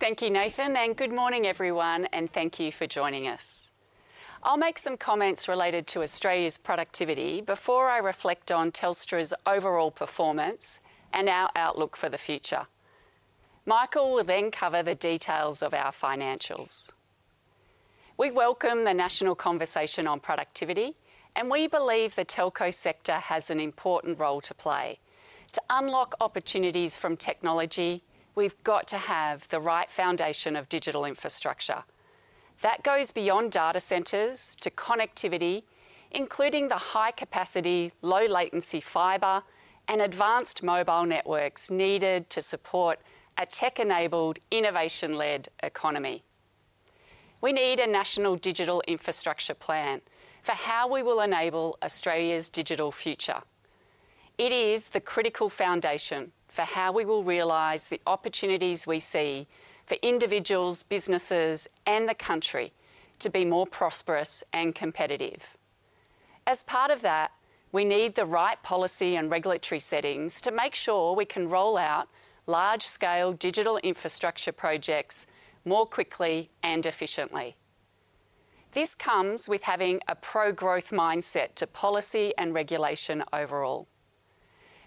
Thank you, Nathan, and good morning, everyone, and thank you for joining us. I'll make some comments related to Australia's productivity before I reflect on Telstra's overall performance and our outlook for the future. Michael will then cover the details of our financials. We welcome the national conversation on productivity, and we believe the Telco sector has an important role to play. To unlock opportunities from technology, we've got to have the right foundation of digital infrastructure. That goes beyond data centers to connectivity, including the high-capacity, low-latency fiber, and advanced mobile networks needed to support a tech-enabled, innovation-led economy. We need a national digital infrastructure plan for how we will enable Australia's digital future. It is the critical foundation for how we will realize the opportunities we see for individuals, businesses, and the country to be more prosperous and competitive. As part of that, we need the right policy and regulatory settings to make sure we can roll out large-scale digital infrastructure projects more quickly and efficiently. This comes with having a pro-growth mindset to policy and regulation overall.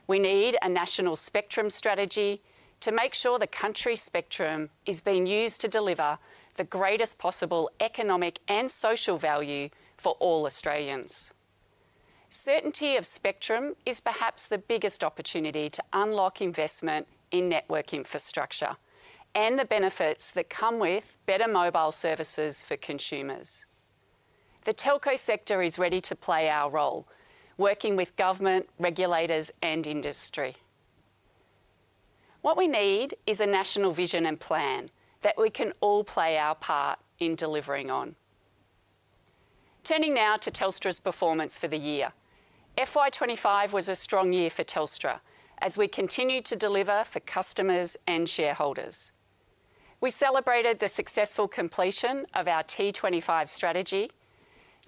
We need a national spectrum strategy to make sure the country's spectrum is being used to deliver the greatest possible economic and social value for all Australians. Certainty of spectrum is perhaps the biggest opportunity to unlock investment in network infrastructure and the benefits that come with better mobile services for consumers. The Telco sector is ready to play our role, working with government, regulators, and industry. What we need is a national vision and plan that we can all play our part in delivering on. Turning now to Telstra's performance for the year, FY 2025 was a strong year for Telstra as we continued to deliver for customers and shareholders. We celebrated the successful completion of our T25 strategy,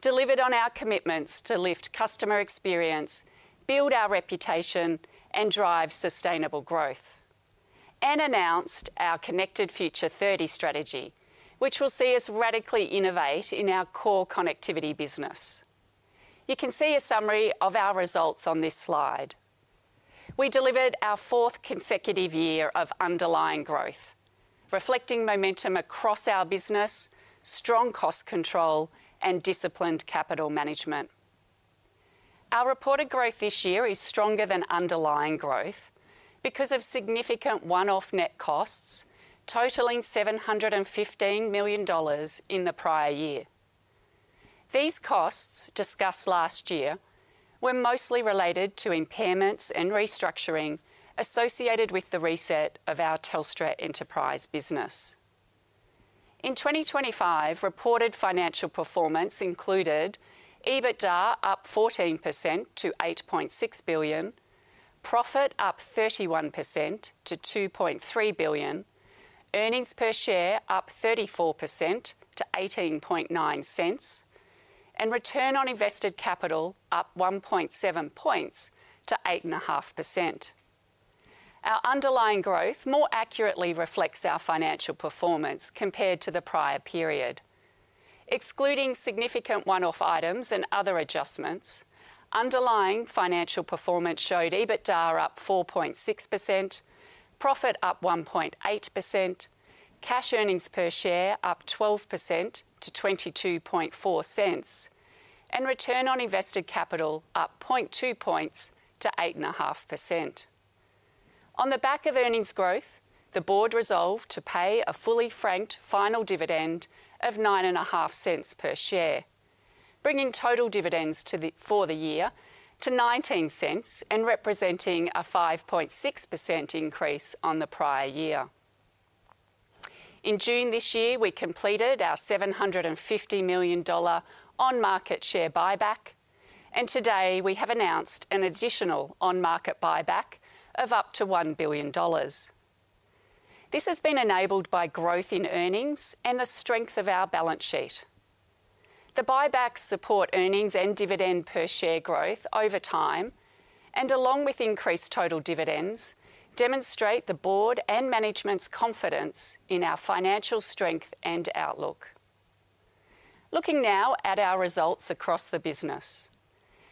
delivered on our commitments to lift customer experience, build our reputation, and drive sustainable growth, and announced our Connected Future 30 strategy, which will see us radically innovate in our core connectivity business. You can see a summary of our results on this slide. We delivered our fourth consecutive year of underlying growth, reflecting momentum across our business, strong cost control, and disciplined capital management. Our reported growth this year is stronger than underlying growth because of significant one-off net costs totaling $715 million in the prior year. These costs, discussed last year, were mostly related to impairments and restructuring associated with the reset of our Telstra Enterprise business. In 2025, reported financial performance included EBITDA up 14% to $8.6 billion, profit up 31% to $2.3 billion, earnings per share up 34% to $0.189, and return on invested capital up 1.7 points to 8.5%. Our underlying growth more accurately reflects our financial performance compared to the prior period. Excluding significant one-off items and other adjustments, underlying financial performance showed EBITDA up 4.6%, profit up 1.8%, cash earnings per share up 12% to $0.224, and return on invested capital up 0.2 points to 8.5%. On the back of earnings growth, the board resolved to pay a fully franked final dividend of $0.09 per share, bringing total dividends for the year to $0.19 and representing a 5.6% increase on the prior year. In June this year, we completed our $750 million on-market share buyback, and today we have announced an additional on-market buyback of up to $1 billion. This has been enabled by growth in earnings and the strength of our balance sheet. The buybacks support earnings and dividend per share growth over time, and along with increased total dividends, demonstrate the Board and Management's confidence in our financial strength and outlook. Looking now at our results across the business,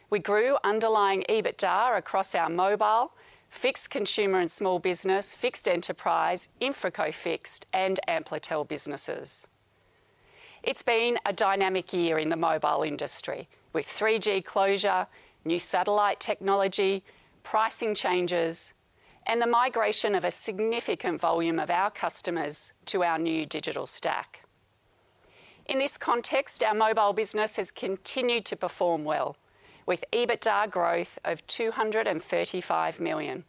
we grew underlying EBITDA across our mobile, fixed consumer and small business, fixed enterprise, InfraCo Fixed, and Amplitel businesses. It's been a dynamic year in the mobile industry, with 3G closure, new satellite technology, pricing changes, and the migration of a significant volume of our customers to our new digital stack. In this context, our mobile business has continued to perform well, with EBITDA growth of $235 million.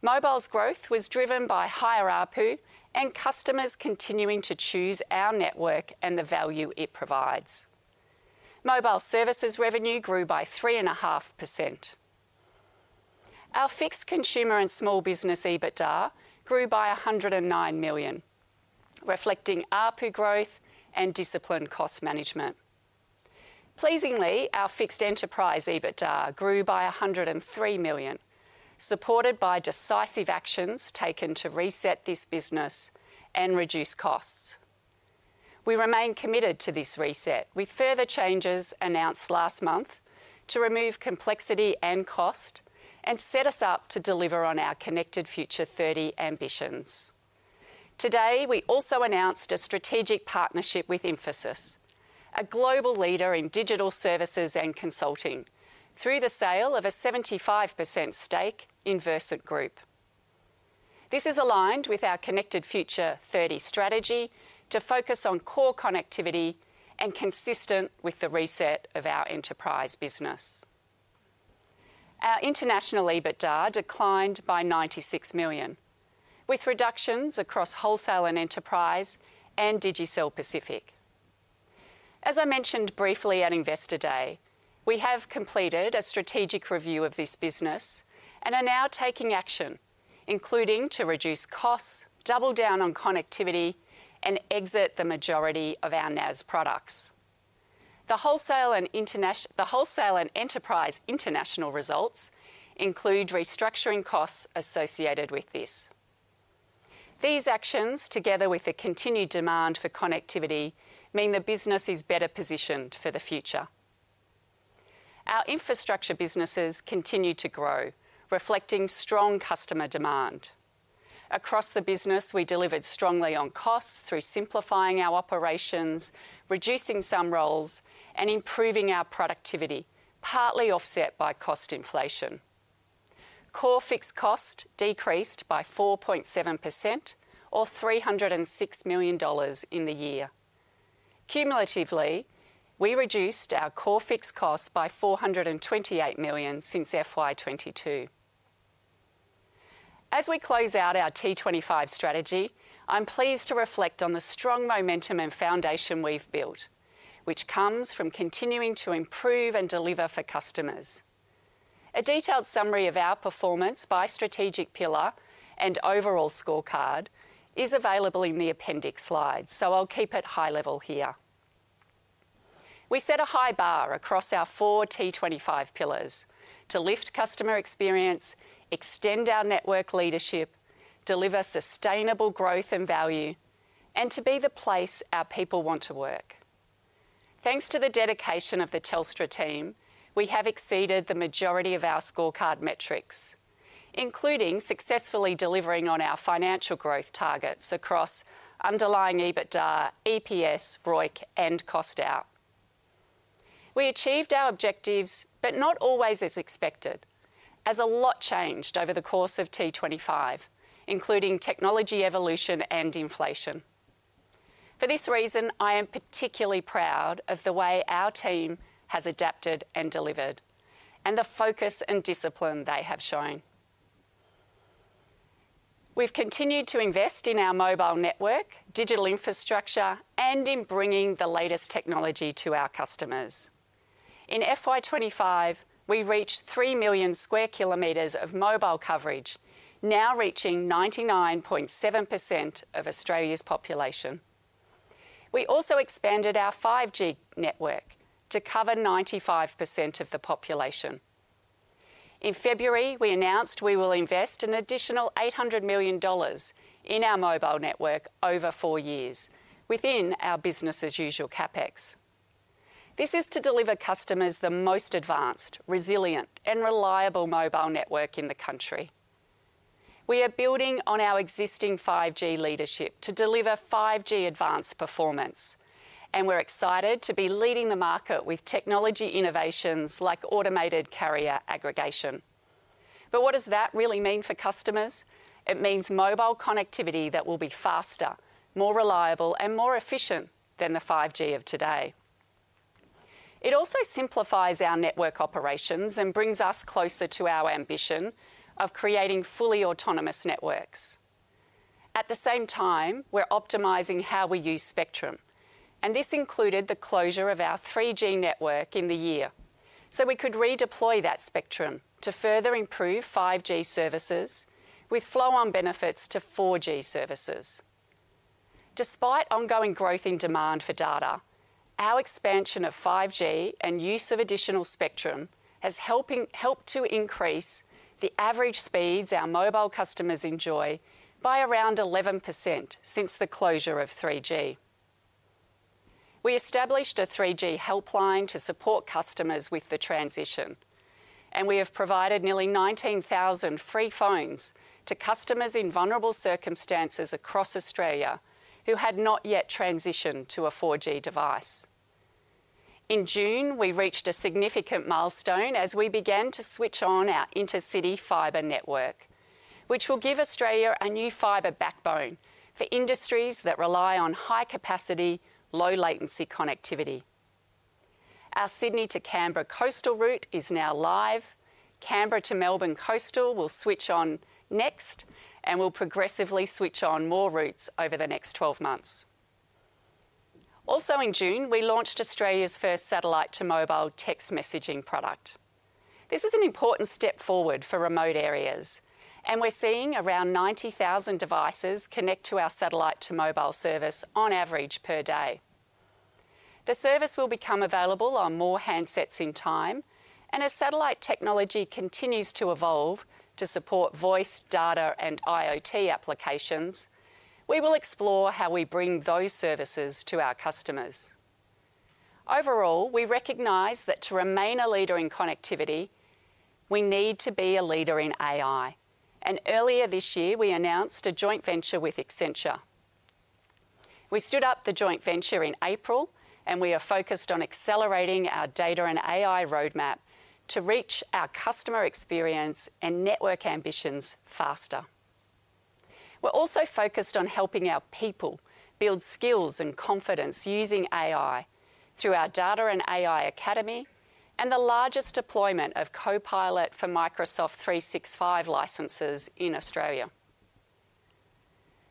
Mobile's growth was driven by higher ARPU and customers continuing to choose our network and the value it provides. Mobile services revenue grew by 3.5%. Our fixed consumer and small business EBITDA grew by $109 million, reflecting ARPU growth and disciplined cost management. Pleasingly, our fixed enterprise EBITDA grew by $103 million, supported by decisive actions taken to reset this business and reduce costs. We remain committed to this reset, with further changes announced last month to remove complexity and cost and set us up to deliver on our Connected Future 30 ambitions. Today, we also announced a strategic partnership with Infosys, a global leader in Digital Services and Consulting, through the sale of a 75% stake in Versent Group. This is aligned with our Connected Future 30 strategy to focus on core connectivity and consistent with the reset of our enterprise business. Our international EBITDA declined by $96 million, with reductions across wholesale and enterprise and Digicel Pacific. As I mentioned briefly at Investor Day, we have completed a strategic review of this business and are now taking action, including to reduce costs, double down on connectivity, and exit the majority of our NAS products. The wholesale and enterprise international results include restructuring costs associated with this. These actions, together with the continued demand for connectivity, mean the business is better positioned for the future. Our infrastructure businesses continue to grow, reflecting strong customer demand. Across the business, we delivered strongly on costs through simplifying our operations, reducing some roles, and improving our productivity, partly offset by cost inflation. Core fixed costs decreased by 4.7%, or $306 million in the year. Cumulatively, we reduced our core fixed costs by $428 million since FY 2022. As we close out our T25 strategy, I'm pleased to reflect on the strong momentum and foundation we've built, which comes from continuing to improve and deliver for customers. A detailed summary of our performance by strategic pillar and overall scorecard is available in the Appendix slides, so I'll keep it high level here. We set a high bar across our four T25 pillars to lift customer experience, extend our network leadership, deliver sustainable growth and value, and to be the place our people want to work. Thanks to the dedication of the Telstra team, we have exceeded the majority of our scorecard metrics, including successfully delivering on our financial growth targets across underlying EBITDA, EPS, ROIC, and cost out. We achieved our objectives, but not always as expected, as a lot changed over the course of T25, including technology evolution and inflation. For this reason, I am particularly proud of the way our team has adapted and delivered, and the focus and discipline they have shown. We've continued to invest in our Mobile Network, Digital Infrastructure, and in bringing the latest technology to our customers. In FY 2025, we reached 3 million sq km of mobile coverage, now reaching 99.7% of Australia's population. We also expanded our 5G network to cover 95% of the population. In February, we announced we will invest an additional $800 million in our mobile network over four years, within our business as usual CapEx. This is to deliver customers the most advanced, resilient, and reliable mobile network in the country. We are building on our existing 5G leadership to deliver 5G advanced performance, and we're excited to be leading the market with technology innovations like automated carrier aggregation. What does that really mean for customers? It means mobile connectivity that will be faster, more reliable, and more efficient than the 5G of today. It also simplifies our network operations and brings us closer to our ambition of creating fully autonomous networks. At the same time, we're optimizing how we use spectrum, and this included the closure of our 3G network in the year, so we could redeploy that spectrum to further improve 5G services with flow-on benefits to 4G services. Despite ongoing growth in demand for data, our expansion of 5G and use of additional spectrum has helped to increase the average speeds our mobile customers enjoy by around 11% since the closure of 3G. We established a 3G helpline to support customers with the transition, and we have provided nearly 19,000 free phones to customers in vulnerable circumstances across Australia who had not yet transitioned to a 4G device. In June, we reached a significant milestone as we began to switch on our intercity fibre network, which will give Australia a new fibre backbone for industries that rely on high-capacity, low-latency connectivity. Our Sydney to Canberra coastal route is now live. Canberra to Melbourne coastal will switch on next, and we'll progressively switch on more routes over the next 12 months. Also in June, we launched Australia's first satellite-to-mobile text messaging product. This is an important step forward for remote areas, and we're seeing around 90,000 devices connect to our satellite-to-mobile service on average per day. The service will become available on more handsets in time, and as satellite technology continues to evolve to support voice, data, and IoT applications, we will explore how we bring those services to our customers. Overall, we recognize that to remain a leader in connectivity, we need to be a leader in AI, and earlier this year, we announced a joint venture with Accenture. We stood up the joint venture in April, and we are focused on accelerating our data and AI roadmap to reach our customer experience and network ambitions faster. We're also focused on helping our people build skills and confidence using AI through our Data and AI Academy and the largest deployment of Copilot for Microsoft 365 licenses in Australia.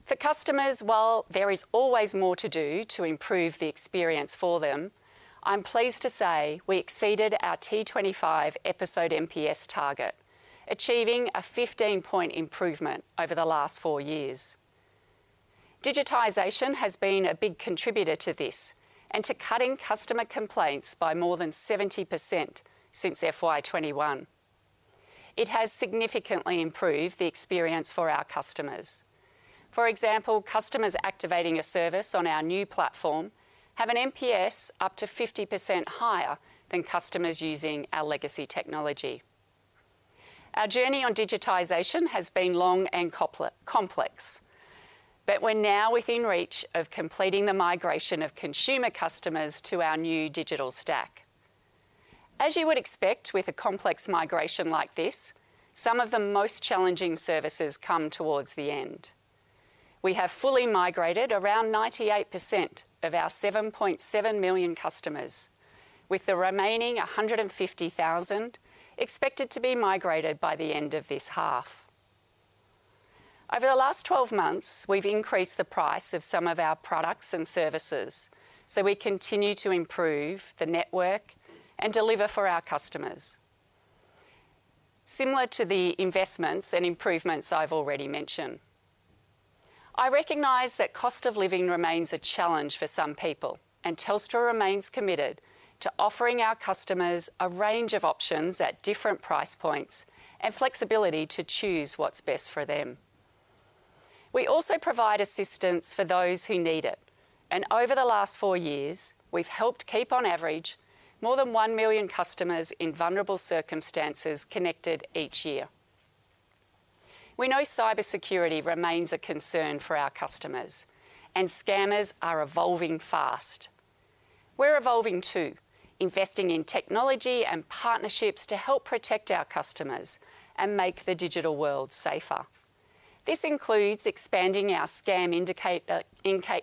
For customers, while there is always more to do to improve the experience for them, I'm pleased to say we exceeded our T25 episode NPS target, achieving a 15-point improvement over the last four years. Digitization has been a big contributor to this and to cutting customer complaints by more than 70% since FY 2021. It has significantly improved the experience for our customers. For example, customers activating a service on our new platform have an NPS up to 50% higher than customers using our legacy technology. Our journey on digitization has been long and complex, but we're now within reach of completing the migration of consumer customers to our new digital stack. As you would expect with a complex migration like this, some of the most challenging services come towards the end. We have fully migrated around 98% of our 7.7 million customers, with the remaining 150,000 expected to be migrated by the end of this half. Over the last 12 months, we've increased the price of some of our products and services, so we continue to improve the network and deliver for our customers, similar to the investments and improvements I've already mentioned. I recognize that cost of living remains a challenge for some people, and Telstra remains committed to offering our customers a range of options at different price points and flexibility to choose what's best for them. We also provide assistance for those who need it, and over the last four years, we've helped keep on average more than 1 million customers in vulnerable circumstances connected each year. We know cybersecurity remains a concern for our customers, and scammers are evolving fast. We're evolving too, investing in technology and partnerships to help protect our customers and make the digital world safer. This includes expanding our scam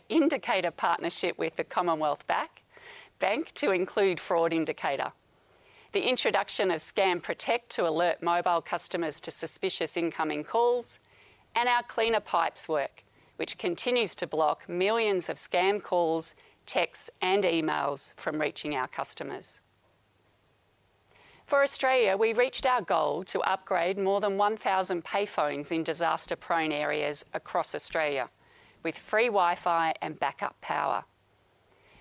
indicator partnership with the Commonwealth Bank to include fraud indicator, the introduction of Scam Protect to alert mobile customers to suspicious incoming calls, and our Cleaner Pipes work, which continues to block millions of scam calls, texts, and emails from reaching our customers. For Australia, we reached our goal to upgrade more than 1,000 payphones in disaster-prone areas across Australia with free Wi-Fi and backup power.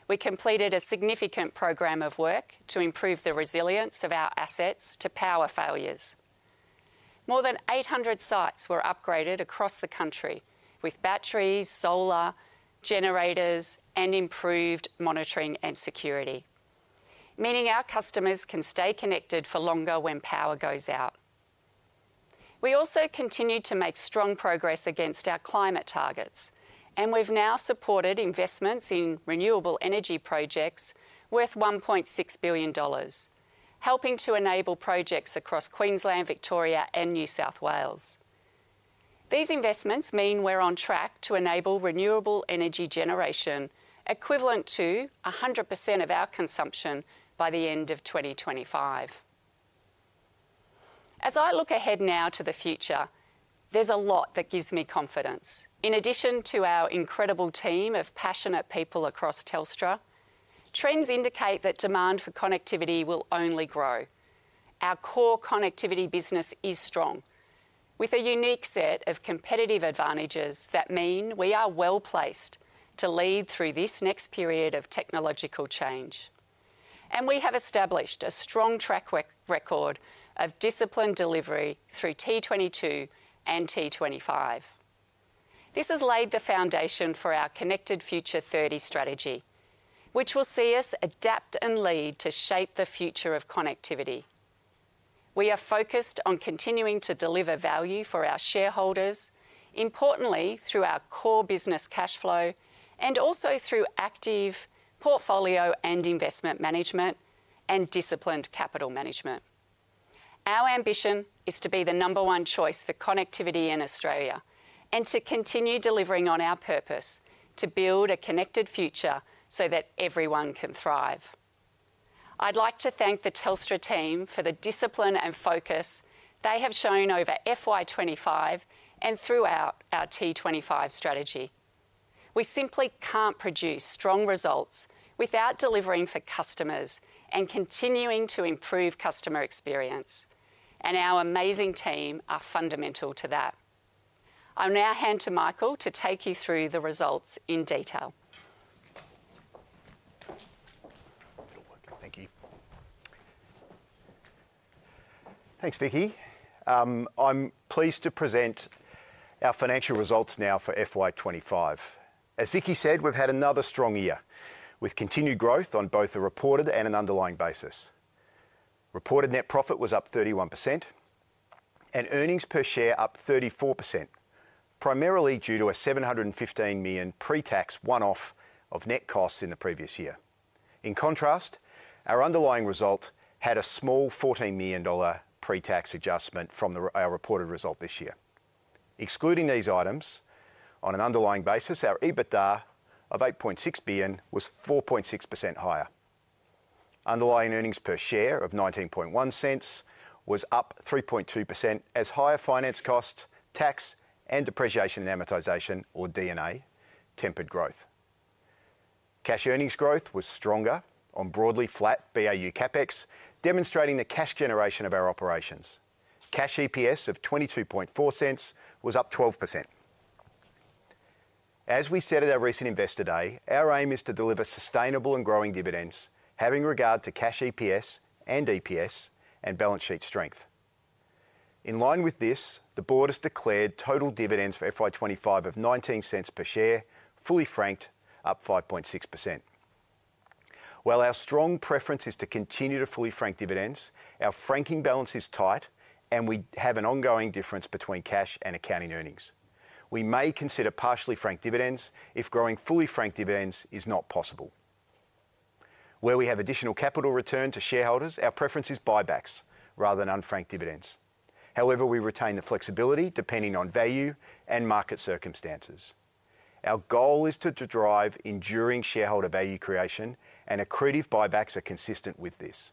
We completed a significant program of work to improve the resilience of our assets to power failures. More than 800 sites were upgraded across the country with batteries, solar, generators, and improved monitoring and security, meaning our customers can stay connected for longer when power goes out. We also continue to make strong progress against our climate targets, and we've now supported investments in renewable energy projects worth $1.6 billion, helping to enable projects across Queensland, Victoria, and New South Wales. These investments mean we're on track to enable renewable energy generation equivalent to 100% of our consumption by the end of 2025. As I look ahead now to the future, there's a lot that gives me confidence. In addition to our incredible team of passionate people across Telstra, trends indicate that demand for connectivity will only grow. Our core connectivity business is strong, with a unique set of competitive advantages that mean we are well-placed to lead through this next period of technological change, and we have established a strong track record of disciplined delivery through T22 and T25. This has laid the foundation for our Connected Future 30 strategy, which will see us adapt and lead to shape the future of connectivity. We are focused on continuing to deliver value for our shareholders, importantly through our core business cash flow and also through active portfolio and investment management and disciplined capital management. Our ambition is to be the number one choice for connectivity in Australia and to continue delivering on our purpose to build a connected future so that everyone can thrive. I'd like to thank the Telstra team for the discipline and focus they have shown over FY 2025 and throughout our T25 strategy. We simply can't produce strong results without delivering for customers and continuing to improve customer experience, and our amazing team are fundamental to that. I'll now hand to Michael to take you through the results in detail. Thank you. Thanks, Vicki. I'm pleased to present our financial results now for FY 2025. As Vicki said, we've had another strong year with continued growth on both a reported and an underlying basis. Reported net profit was up 31%, and earnings per share up 34%, primarily due to a $715 million pre-tax one-off of net costs in the previous year. In contrast, our underlying result had a small $14 million pre-tax adjustment from our reported result this year. Excluding these items, on an underlying basis, our EBITDA of $8.6 billion was 4.6% higher. Underlying earnings per share of $0.191 was up 3.2%, as higher finance costs, tax, and depreciation and amortization, or D&A, tempered growth. Cash earnings growth was stronger on broadly flat BAU CapEx, demonstrating the cash generation of our operations. Cash EPS of $0.224 was up 12%. As we said at our recent Investor Day, our aim is to deliver sustainable and growing dividends, having regard to cash EPS and EPS and balance sheet strength. In line with this, the board has declared total dividends for FY 2025 of $0.19 per share, fully franked, up 5.6%. While our strong preference is to continue to fully frank dividends, our franking balance is tight, and we have an ongoing difference between cash and accounting earnings. We may consider partially frank dividends if growing fully frank dividends is not possible. Where we have additional capital return to shareholders, our preference is buybacks rather than unfranked dividends. However, we retain the flexibility depending on value and market circumstances. Our goal is to drive enduring shareholder value creation, and accretive buybacks are consistent with this.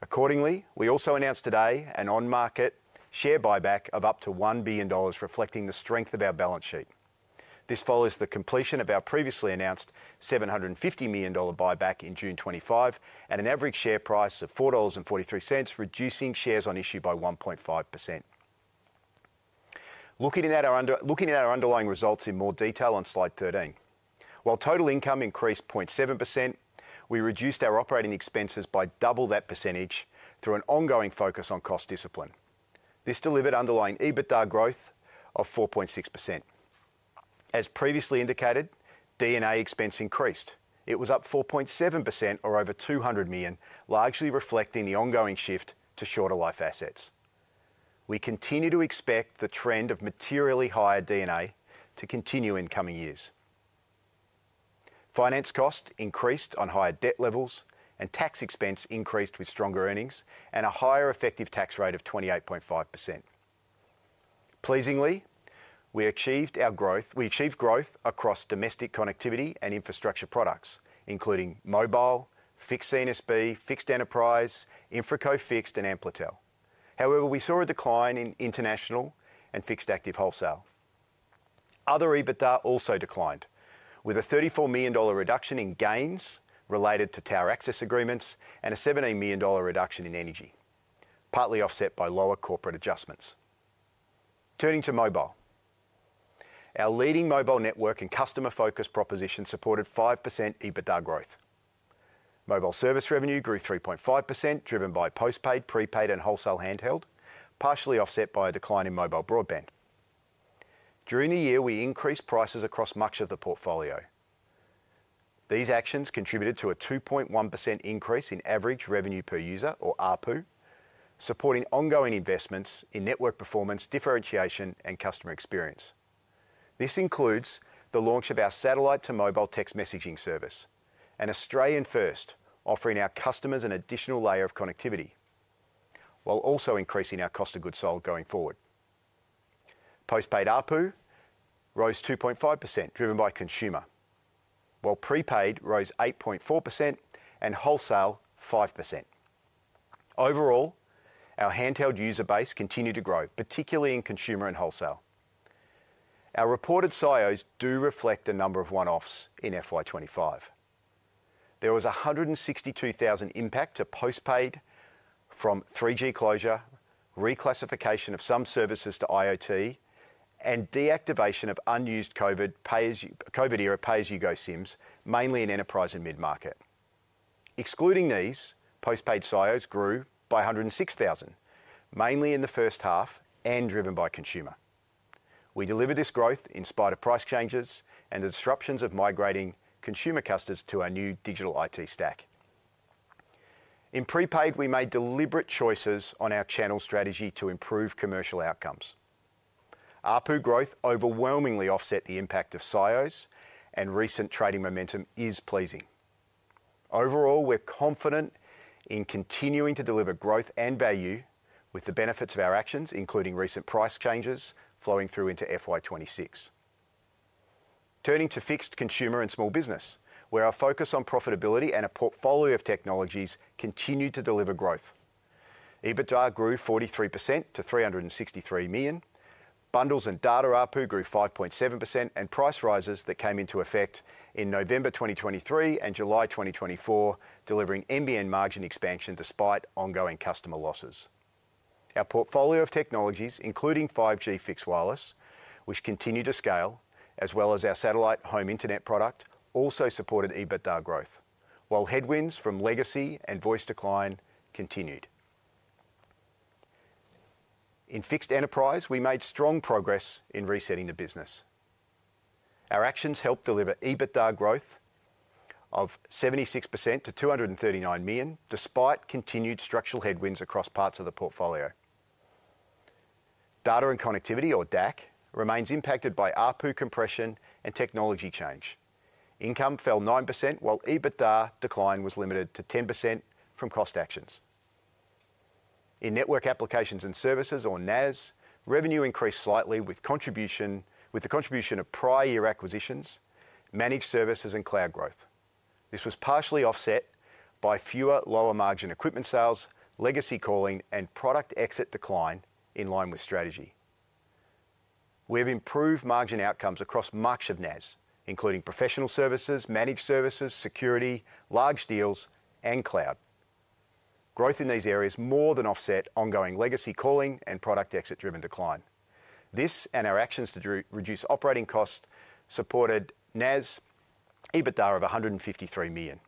Accordingly, we also announced today an on-market share buyback of up to $1 billion, reflecting the strength of our balance sheet. This follows the completion of our previously announced $750 million buyback in June 2025, at an average share price of $4.43, reducing shares on issue by 1.5%. Looking at our underlying results in more detail on slide 13, while total income increased 0.7%, we reduced our operating expenses by double that percentage through an ongoing focus on cost discipline. This delivered underlying EBITDA growth of 4.6%. As previously indicated, D&A expense increased. It was up 4.7% or over $200 million, largely reflecting the ongoing shift to shorter life assets. We continue to expect the trend of materially higher D&A to continue in coming years. Finance costs increased on higher debt levels, and tax expense increased with stronger earnings and a higher effective tax rate of 28.5%. Pleasingly, we achieved growth across domestic connectivity and infrastructure products, including mobile, fixed CSP, fixed enterprise, InfraCo Fixed, and Amplitel. However, we saw a decline in international and fixed active wholesale. Other EBITDA also declined, with a $34 million reduction in gains related to Tower Access Agreements and a $17 million reduction in energy, partly offset by lower corporate adjustments. Turning to mobile, our leading mobile network and customer-focused proposition supported 5% EBITDA growth. Mobile service revenue grew 3.5%, driven by postpaid, prepaid, and wholesale handheld, partially offset by a decline in mobile broadband. During the year, we increased prices across much of the portfolio. These actions contributed to a 2.1% increase in average revenue per user, or ARPU, supporting ongoing investments in network performance, differentiation, and customer experience. This includes the launch of our satellite-to-mobile text messaging service, an Australian-first, offering our customers an additional layer of connectivity, while also increasing our cost of goods sold going forward. Postpaid ARPU rose 2.5%, driven by consumer, while prepaid rose 8.4% and wholesale 5%. Overall, our handheld user base continued to grow, particularly in consumer and wholesale. Our reported sales do reflect a number of one-offs in FY 2025. There was 162,000 impact to postpaid from 3G closure, reclassification of some services to IoT, and deactivation of unused COVID-era pay-as-you-go SIMs, mainly in enterprise and mid-market. Excluding these, postpaid sales grew by 106,000, mainly in the first half and driven by consumer. We delivered this growth in spite of price changes and the disruptions of migrating consumer customers to our new digital IT stack. In prepaid, we made deliberate choices on our channel strategy to improve commercial outcomes. ARPU growth overwhelmingly offset the impact of sales and recent trading momentum is pleasing. Overall, we're confident in continuing to deliver growth and value with the benefits of our actions, including recent price changes flowing through into FY 2026. Turning to fixed consumer and small business, where our focus on profitability and a portfolio of technologies continued to deliver growth, EBITDA grew 43% to $363 million. Bundles and data ARPU grew 5.7%, and price rises that came into effect in November 2023 and July 2024 delivered MBN margin expansion despite ongoing customer losses. Our portfolio of technologies, including 5G fixed wireless, which continued to scale, as well as our satellite home internet product, also supported EBITDA growth, while headwinds from legacy and voice decline continued. In fixed enterprise, we made strong progress in resetting the business. Our actions helped deliver EBITDA growth of 76% to $239 million, despite continued structural headwinds across parts of the portfolio. Data and Connectivity, or DAC, remains impacted by ARPU compression and technology change. Income fell 9%, while EBITDA decline was limited to 10% from cost actions. In network applications and services, or NAS, revenue increased slightly with the contribution of prior year acquisitions, managed services, and cloud growth. This was partially offset by fewer lower margin equipment sales, legacy calling, and product exit decline in line with strategy. We have improved margin outcomes across much of NAS, including professional services, managed services, security, large deals, and cloud. Growth in these areas more than offset ongoing legacy calling and product exit-driven decline. This and our actions to reduce operating costs supported NAS EBITDA of $153 million.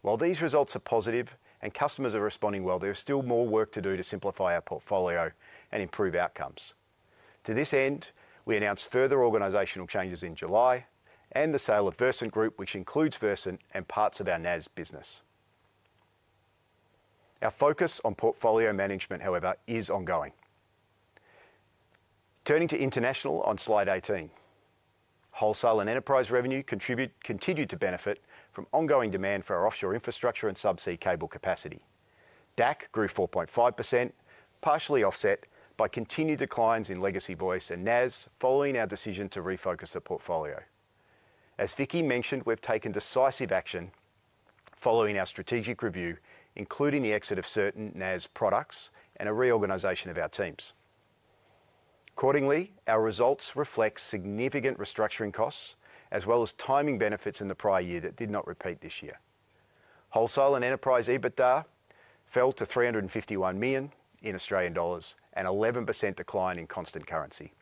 While these results are positive and customers are responding well, there's still more work to do to simplify our portfolio and improve outcomes. To this end, we announced further organizational changes in July and the sale of Versent Group, which includes Versent and parts of our NAS business. Our focus on portfolio management, however, is ongoing. Turning to international on slide 18, wholesale and enterprise revenue continued to benefit from ongoing demand for our offshore infrastructure and subsea cable capacity. DAC grew 4.5%, partially offset by continued declines in legacy voice and NAS following our decision to refocus the portfolio. As Vicki mentioned, we've taken decisive action following our strategic review, including the exit of certain NAS products and a reorganization of our teams. Accordingly, our results reflect significant restructuring costs, as well as timing benefits in the prior year that did not repeat this year. Wholesale and enterprise EBITDA fell to $351 million in Australian dollars and 11% decline in constant currency.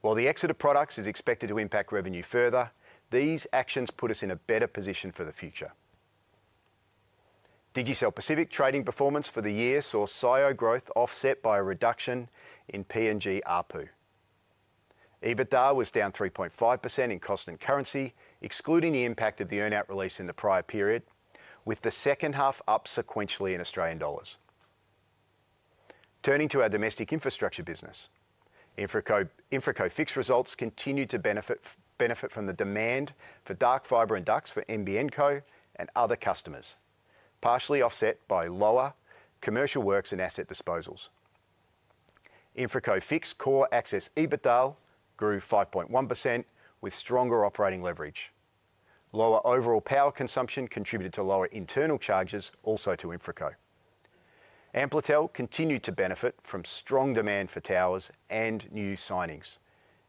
While the exit of products is expected to impact revenue further, these actions put us in a better position for the future. Digicel Pacific trading performance for the year saw sale growth offset by a reduction in P&G ARPU. EBITDA was down 3.5% in constant currency, excluding the impact of the earnout release in the prior period, with the second half up sequentially in Australian dollars. Turning to our domestic infrastructure business, InfraCo Fixed results continued to benefit from the demand for dark fibre and ducts for NBN Co and other customers, partially offset by lower commercial works and asset disposals. InfraCo Fixed core access EBITDA grew 5.1% with stronger operating leverage. Lower overall power consumption contributed to lower internal charges, also to InfraCo. Amplitel continued to benefit from strong demand for towers and new signings.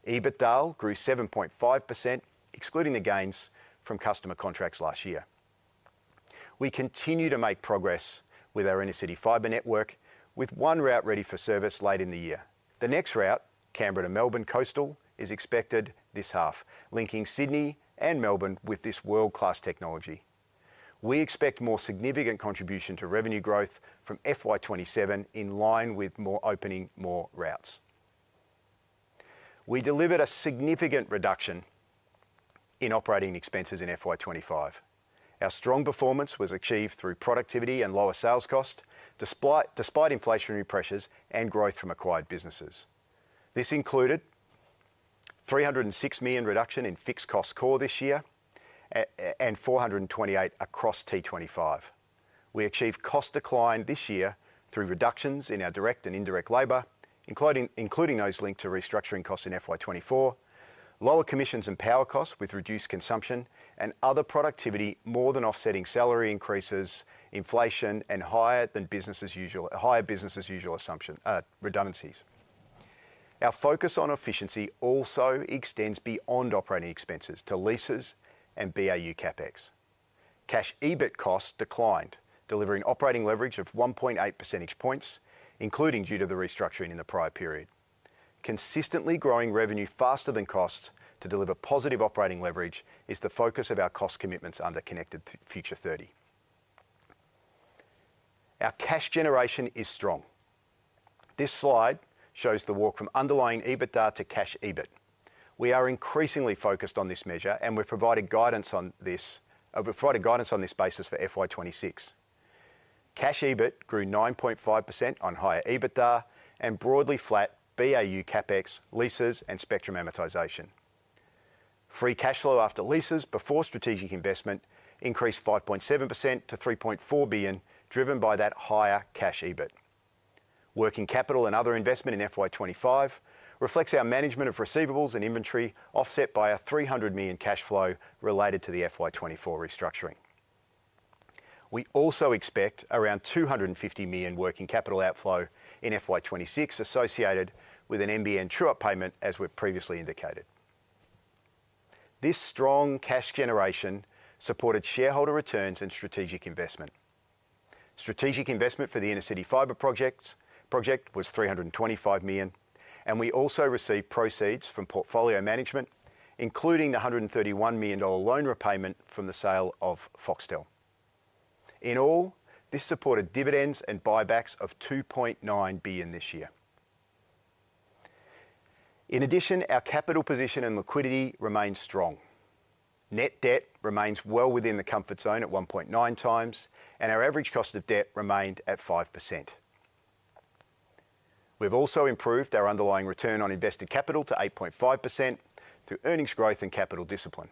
EBITDA grew 7.5%, excluding the gains from customer contracts last year. We continue to make progress with our intercity fibre network, with one route ready for service late in the year. The next route, Canberra to Melbourne coastal, is expected this half, linking Sydney and Melbourne with this world-class technology. We expect more significant contribution to revenue growth from FY 2027 in line with opening more routes. We delivered a significant reduction in operating expenses in FY 2025. Our strong performance was achieved through productivity and lower sales costs, despite inflationary pressures and growth from acquired businesses. This included a $306 million reduction in core fixed costs this year and $428 million across T25. We achieved cost decline this year through reductions in our direct and indirect labor, including those linked to restructuring costs in FY 2024, lower commissions and power costs with reduced consumption, and other productivity more than offsetting salary increases, inflation, and higher than business as usual redundancies. Our focus on efficiency also extends beyond operating expenses to leases and BAU CapEx. Cash EBIT costs declined, delivering operating leverage of 1.8 percentage points, including due to the restructuring in the prior period. Consistently growing revenue faster than costs to deliver positive operating leverage is the focus of our cost commitments under Connected Future 30. Our cash generation is strong. This slide shows the walk from underlying EBITDA to cash EBIT. We are increasingly focused on this measure, and we've provided guidance on this basis for FY 2026. Cash EBIT grew 9.5% on higher EBITDA and broadly flat BAU CapEx, leases, and spectrum amortization. Free cash flow after leases before strategic investment increased 5.7% to $3.4 billion, driven by that higher cash EBIT. Working capital and other investment in FY 2025 reflects our management of receivables and inventory, offset by a $300 million cash flow related to the FY 2024 restructuring. We also expect around $250 million working capital outflow in FY 2026, associated with an NBN true-up payment, as we've previously indicated. This strong cash generation supported shareholder returns and strategic investment. Strategic investment for the intercity fibre project was $325 million, and we also received proceeds from portfolio management, including the $131 million loan repayment from the sale of Foxtel. In all, this supported dividends and buybacks of $2.9 billion this year. In addition, our capital position and liquidity remain strong. Net debt remains well within the comfort zone at 1.9x, and our average cost of debt remained at 5%. We've also improved our underlying return on invested capital to 8.5% through earnings growth and capital discipline.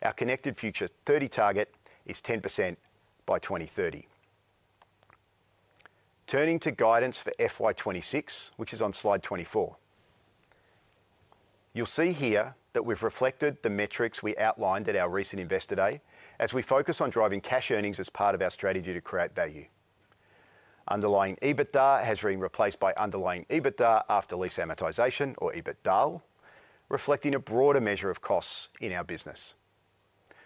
Our Connected Future 30 target is 10% by 2030. Turning to guidance for FY 2026, which is on slide 24, you'll see here that we've reflected the metrics we outlined at our recent Investor Day, as we focus on driving cash earnings as part of our strategy to create value. Underlying EBITDA has been replaced by underlying EBITDA after lease amortization, or EBITDAL, reflecting a broader measure of costs in our business.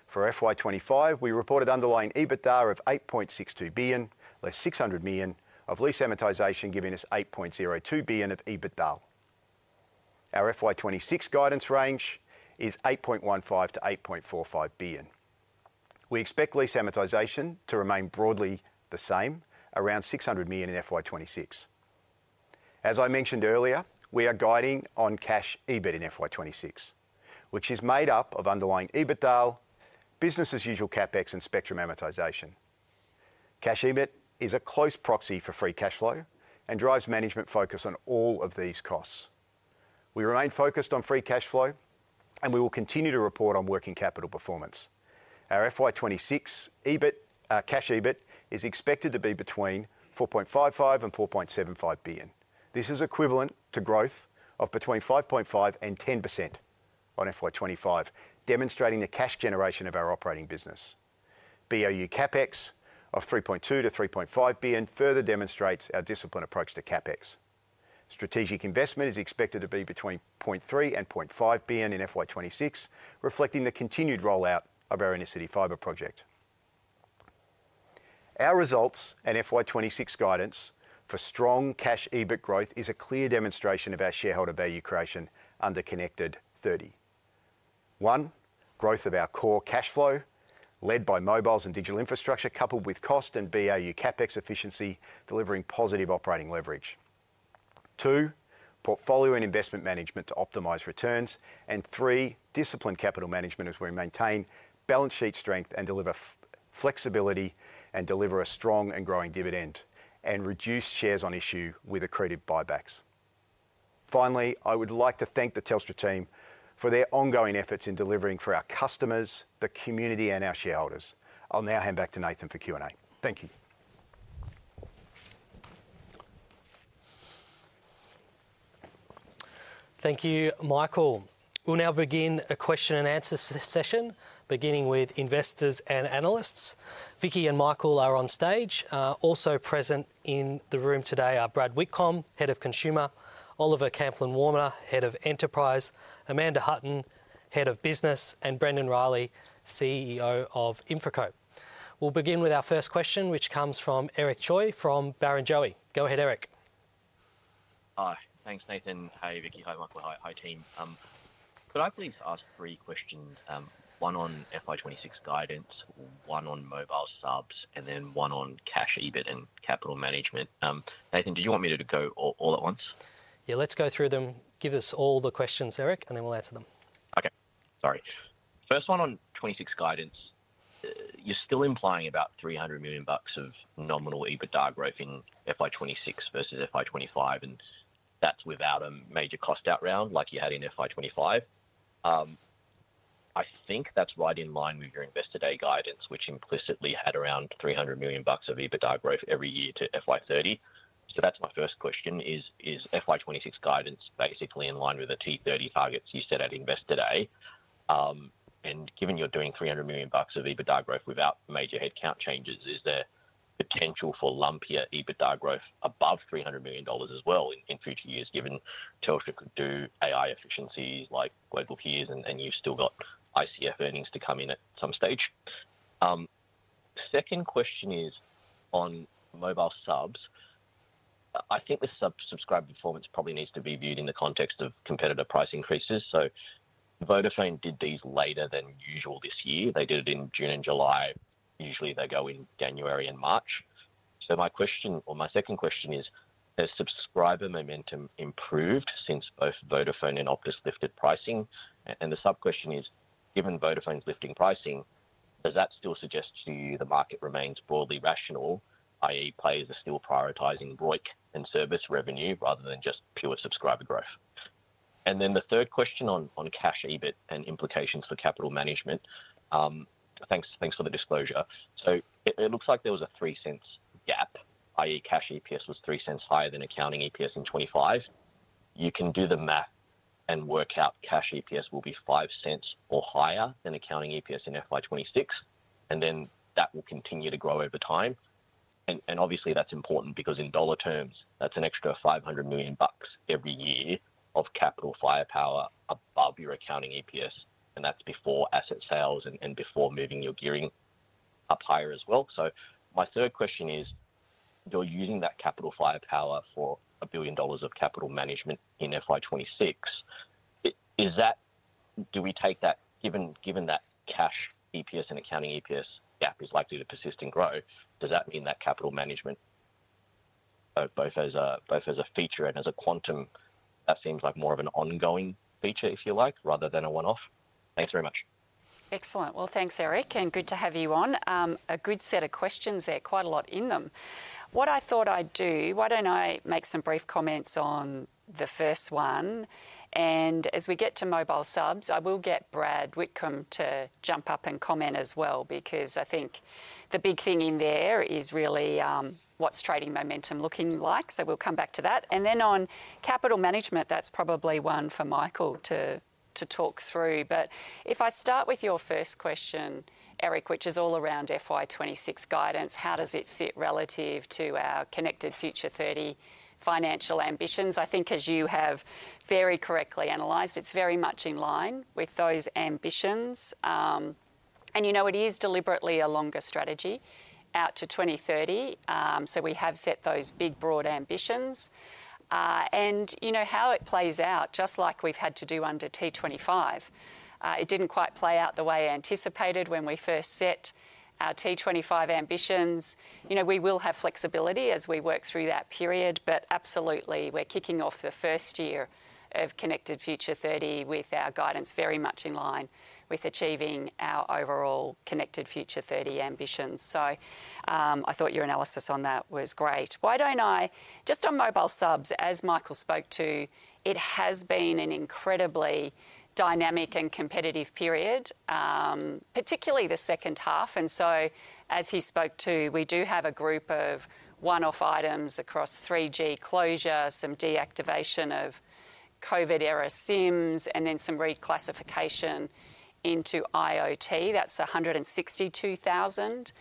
For FY 2025, we reported underlying EBITDA of $8.62 billion, less $600 million of lease amortization, giving us $8.02 billion of EBITDAL. Our FY 2026 guidance range is $8.15 billion-$8.45 billion. We expect lease amortization to remain broadly the same, around $600 million in FY 2026. As I mentioned earlier, we are guiding on cash EBIT in FY 2026, which is made up of underlying EBITDAL, business as usual CapEx, and spectrum amortization. Cash EBIT is a close proxy for free cash flow and drives management focus on all of these costs. We remain focused on free cash flow, and we will continue to report on working capital performance. Our FY 2026 cash EBIT is expected to be between $4.55 billion and $4.75 billion. This is equivalent to growth of between 5.5% and 10% on FY 2025, demonstrating the cash generation of our operating business. BAU CapEx of $3.2 billion-$3.5 billion further demonstrates our disciplined approach to CapEx. Strategic investment is expected to be between $0.3 billion and $0.5 billion in FY 2026, reflecting the continued rollout of our intercity fibre project. Our results and FY 2026 guidance for strong cash EBIT growth is a clear demonstration of our shareholder value creation under Connected 30. One, growth of our core cash flow, led by mobiles and digital infrastructure, coupled with cost and BAU CapEx efficiency, delivering positive operating leverage. Two, portfolio and investment management to optimize returns, and three, disciplined capital management as we maintain balance sheet strength and deliver flexibility and deliver a strong and growing dividend and reduce shares on issue with accredited buybacks. Finally, I would like to thank the Telstra team for their ongoing efforts in delivering for our customers, the community, and our shareholders. I'll now hand back to Nathan for Q&A. Thank you. Thank you, Michael. We'll now begin a question-and-answer session, beginning with investors and analysts. Vicki and Michael are on stage. Also present in the room today are Brad Whitcomb, Head of Consumer, Oliver Camplin-Warner, Head of Enterprise, Amanda Hutton, Head of Business, and Brendon Riley, CEO of InfraCo. We'll begin with our first question, which comes from Eric Choi from Barrenjoey. Go ahead, Eric. Hi, thanks, Nathan. Hi, Vicki. Hi, Michael. Hi, team. Could I please ask three questions? One on FY 2026 guidance, one on mobile subs, and then one on cash EBIT and capital management. Nathan, do you want me to go all at once? Yeah, let's go through them. Give us all the questions, Eric, and then we'll answer them. Okay, sorry. First one on 2026 guidance. You're still implying about $300 million of nominal EBITDA growth in FY 2026 versus FY 2025, and that's without a major cost out round like you had in FY 2025. I think that's right in line with your Investor Day guidance, which implicitly had around $300 million of EBITDA growth every year to FY 2030. That's my first question. Is FY 2026 guidance basically in line with the T30 targets you set at Investor Day? Given you're doing $300 million of EBITDA growth without major headcount changes, is there potential for lumpier EBITDA growth above $300 million as well in future years, given Telstra could do AI efficiencies like global tiers, and you've still got ICF earnings to come in at some stage? Second question is on mobile subs. I think the subscriber performance probably needs to be viewed in the context of competitor price increases. Vodafone did these later than usual this year. They did it in June and July. Usually, they go in January and March. My second question is, has subscriber momentum improved since both Vodafone and Optus lifted pricing? The sub-question is, given Vodafone's lifting pricing, does that still suggest to you the market remains broadly rational, i.e., players are still prioritizing VoIP and service revenue rather than just pure subscriber growth? The third question on cash EBIT and implications for capital management. Thanks for the disclosure. It looks like there was a $0.03 gap, i.e., cash EPS was $0.03 higher than accounting EPS in 2025. You can do the math and work out cash EPS will be $0.05 or higher than accounting EPS in FY 2026, and that will continue to grow over time. Obviously, that's important because in dollar terms, that's an extra $500 million every year of capital firepower above your accounting EPS, and that's before asset sales and before moving your gearing up higher as well. My third question is, you're using that capital firepower for $1 billion of capital management in FY 2026. Do we take that, given that cash EPS and accounting EPS gap is likely to persist and grow? Does that mean that capital management, both as a feature and as a quantum, seems like more of an ongoing feature, if you like, rather than a one-off? Thanks very much. Excellent. Thanks, Eric, and good to have you on. A good set of questions. There are quite a lot in them. What I thought I'd do, why don't I make some brief comments on the first one? As we get to mobile subs, I will get Brad Whitcomb to jump up and comment as well, because I think the big thing in there is really what's trading momentum looking like. We will come back to that. On capital management, that's probably one for Michael to talk through. If I start with your first question, Eric, which is all around FY 2026 guidance, how does it sit relative to our Connected Future 30 financial ambitions? I think, as you have very correctly analyzed, it's very much in line with those ambitions. It is deliberately a longer strategy out to 2030. We have set those big broad ambitions. How it plays out, just like we've had to do under T25, it didn't quite play out the way anticipated when we first set our T25 ambitions. We will have flexibility as we work through that period, but absolutely, we're kicking off the first year of Connected Future 30 with our guidance very much in line with achieving our overall Connected Future 30 ambitions. I thought your analysis on that was great. Just on mobile subs, as Michael spoke to, it has been an incredibly dynamic and competitive period, particularly the second half. As he spoke to, we do have a group of one-off items across 3G closure, some deactivation of COVID-era SIMs, and then some reclassification into IoT. That's $162,000.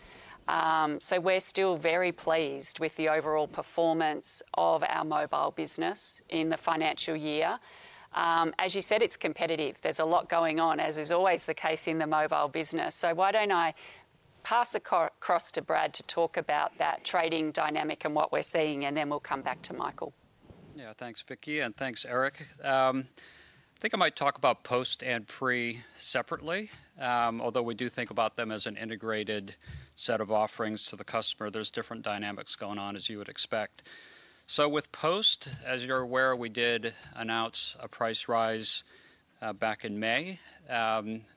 We are still very pleased with the overall performance of our mobile business in the financial year. As you said, it's competitive. There's a lot going on, as is always the case in the mobile business. I will pass across to Brad to talk about that trading dynamic and what we're seeing, and then we'll come back to Michael. Yeah, thanks, Vicki, and thanks, Eric. I think I might talk about Post and Pre separately, although we do think about them as an integrated set of offerings to the customer. There's different dynamics going on, as you would expect. With Post, as you're aware, we did announce a price rise back in May.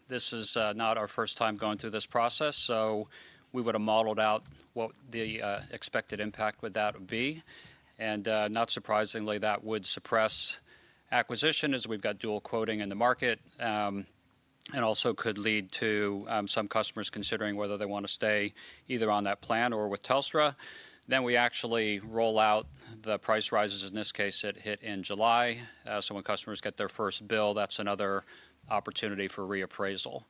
This is not our first time going through this process, so we would have modeled out what the expected impact with that would be. Not surprisingly, that would suppress acquisition, as we've got dual quoting in the market, and also could lead to some customers considering whether they want to stay either on that plan or with Telstra. We actually roll out the price rises. In this case, it hit in July. When customers get their first bill, that's another opportunity for reappraisal.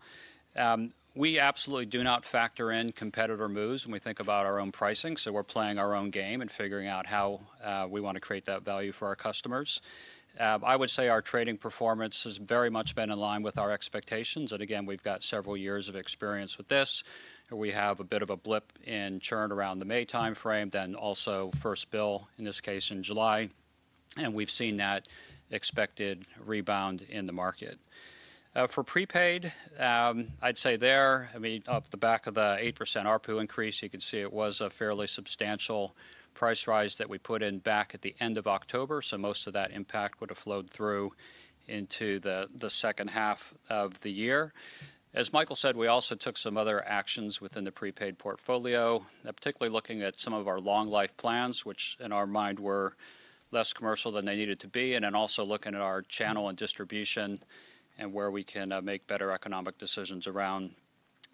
We absolutely do not factor in competitor moves when we think about our own pricing. We're playing our own game and figuring out how we want to create that value for our customers. I would say our trading performance has very much been in line with our expectations. We've got several years of experience with this. We have a bit of a blip in churn around the May timeframe, then also first bill, in this case, in July. We've seen that expected rebound in the market. For prepaid, I'd say there, I mean, up the back of the 8% ARPU increase, you can see it was a fairly substantial price rise that we put in back at the end of October. Most of that impact would have flowed through into the second half of the year. As Michael said, we also took some other actions within the prepaid portfolio, particularly looking at some of our long-life plans, which in our mind were less commercial than they needed to be, and then also looking at our channel and distribution and where we can make better economic decisions around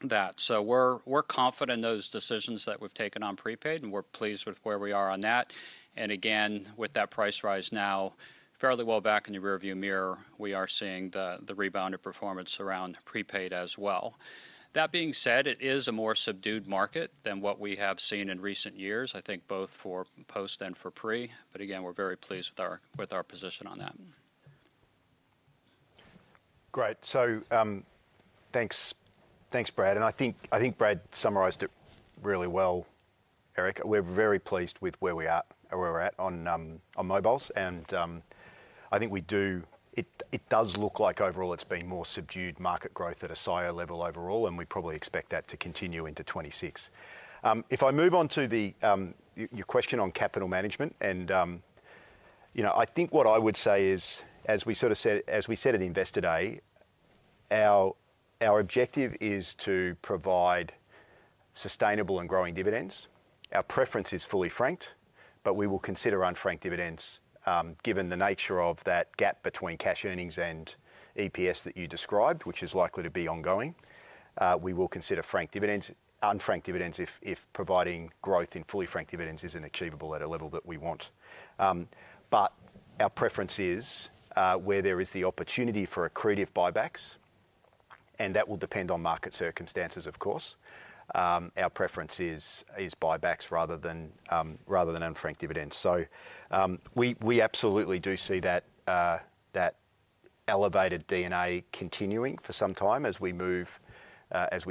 that. We're confident in those decisions that we've taken on prepaid, and we're pleased with where we are on that. With that price rise now, fairly well back in the rearview mirror, we are seeing the rebound in performance around prepaid as well. That being said, it is a more subdued market than what we have seen in recent years, I think both for Post and for Pre. We're very pleased with our position on that. Great. Thanks, Brad. I think Brad summarized it really well, Eric. We're very pleased with where we are at on mobiles. I think it does look like overall it's been more subdued market growth at a sale level overall, and we probably expect that to continue into 2026. If I move on to your question on capital management, I think what I would say is, as we sort of said at Investor Day, our objective is to provide sustainable and growing dividends. Our preference is fully franked, but we will consider unfranked dividends, given the nature of that gap between cash earnings and EPS that you described, which is likely to be ongoing. We will consider franked dividends, unfranked dividends if providing growth in fully franked dividends isn't achievable at a level that we want. Our preference is where there is the opportunity for accredited buybacks, and that will depend on market circumstances, of course. Our preference is buybacks rather than unfranked dividends. We absolutely do see that elevated D&A continuing for some time as we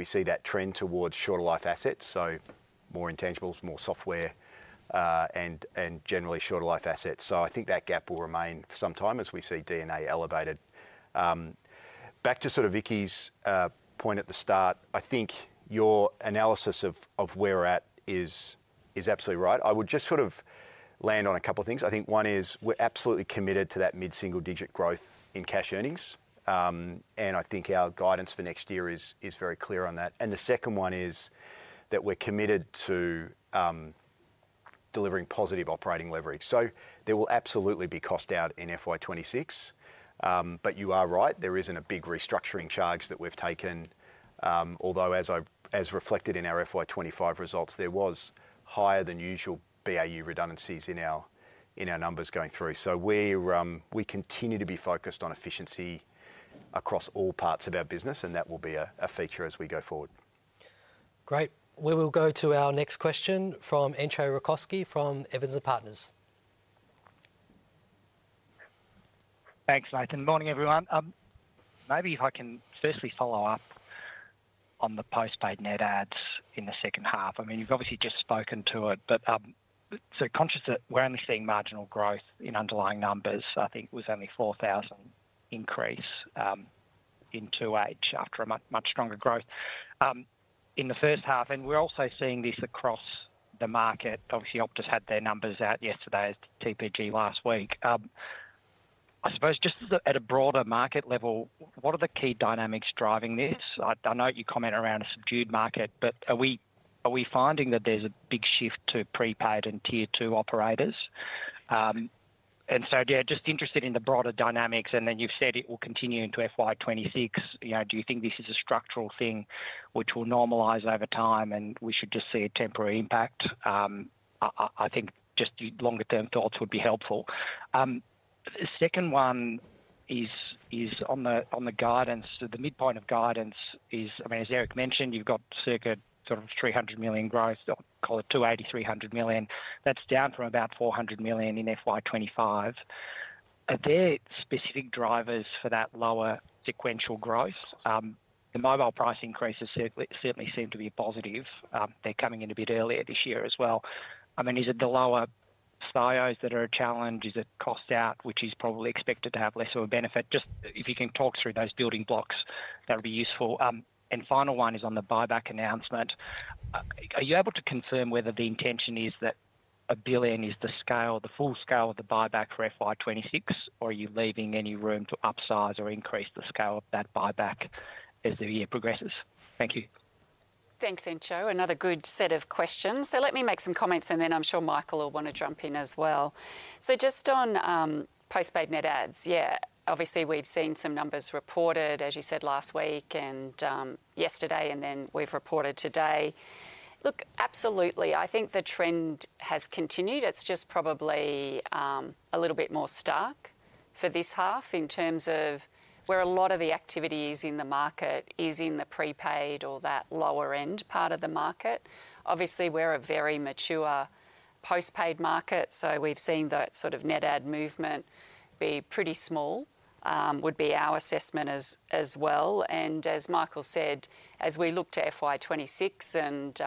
see that trend towards shorter life assets, so more intangibles, more software, and generally shorter life assets. I think that gap will remain for some time as we see D&A elevated. Back to Vicki's point at the start, I think your analysis of where we're at is absolutely right. I would just land on a couple of things. One is we're absolutely committed to that mid-single-digit growth in cash earnings, and I think our guidance for next year is very clear on that. The second one is that we're committed to delivering positive operating leverage. There will absolutely be cost out in FY 2026, but you are right, there isn't a big restructuring charge that we've taken, although as reflected in our FY 2025 results, there were higher than usual BAU redundancies in our numbers going through. We continue to be focused on efficiency across all parts of our business, and that will be a feature as we go forward. Great. We will go to our next question from Entcho Raykovski from Evans and Partners. Thanks, Nathan. Morning, everyone. Maybe if I can firstly follow up on the postpaid net adds in the second half. You've obviously just spoken to it, but I'm so conscious that we're only seeing marginal growth in underlying numbers. I think it was only a $4,000 increase in 2H after a much stronger growth in the first half. We're also seeing this across the market. Obviously, Optus had their numbers out yesterday as TPG last week. I suppose just at a broader market level, what are the key dynamics driving this? I know you comment around a subdued market, but are we finding that there's a big shift to prepaid and tier two operators? Just interested in the broader dynamics. You've said it will continue into FY 2026. Do you think this is a structural thing which will normalise over time and we should just see a temporary impact? I think just longer-term thoughts would be helpful. The second one is on the guidance. The midpoint of guidance is, as Eric mentioned, you've got circa sort of $300 million growth, call it $280 million, $300 million. That's down from about $400 million in FY 2025. Are there specific drivers for that lower sequential growth? The mobile price increases certainly seem to be positive. They're coming in a bit earlier this year as well. Is it the lower sales that are a challenge? Is it cost out, which is probably expected to have less of a benefit? If you can talk through those building blocks, that would be useful. The final one is on the buyback announcement. Are you able to confirm whether the intention is that $1 billion is the scale, the full scale of the buyback for FY 2026, or are you leaving any room to upsize or increase the scale of that buyback as the year progresses? Thank you. Thanks, Entcho. Another good set of questions. Let me make some comments, and then I'm sure Michael will want to jump in as well. Just on postpaid net adds, yeah, obviously we've seen some numbers reported, as you said last week and yesterday, and then we've reported today. Absolutely, I think the trend has continued. It's just probably a little bit more stark for this half in terms of where a lot of the activity is in the market is in the prepaid or that lower end part of the market. Obviously, we're a very mature postpaid market, so we've seen that sort of net add movement be pretty small, would be our assessment as well. As Michael said, as we look to FY 2026 and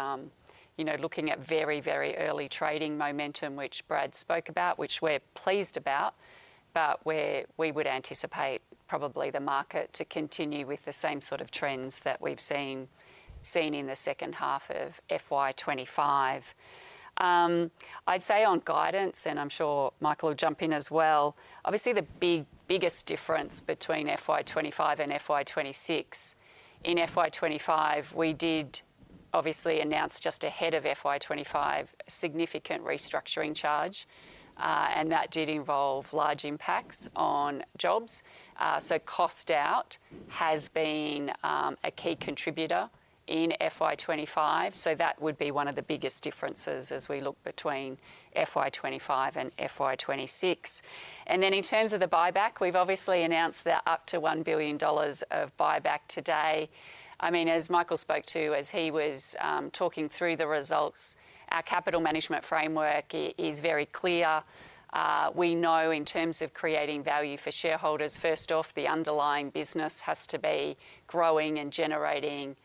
looking at very, very early trading momentum, which Brad spoke about, which we're pleased about, where we would anticipate probably the market to continue with the same sort of trends that we've seen in the second half of FY 2025. I'd say on guidance, and I'm sure Michael will jump in as well, obviously the biggest difference between FY 2025 and FY 2026, in FY 2025, we did obviously announce just ahead of FY 2025 a significant restructuring charge, and that did involve large impacts on jobs. Cost out has been a key contributor in FY 2025. That would be one of the biggest differences as we look between FY 2025 and FY 2026. In terms of the buyback, we've obviously announced that up to $1 billion of buyback today. As Michael spoke to, as he was talking through the results, our capital management framework is very clear. We know in terms of creating value for shareholders, first off, the underlying business has to be growing and generating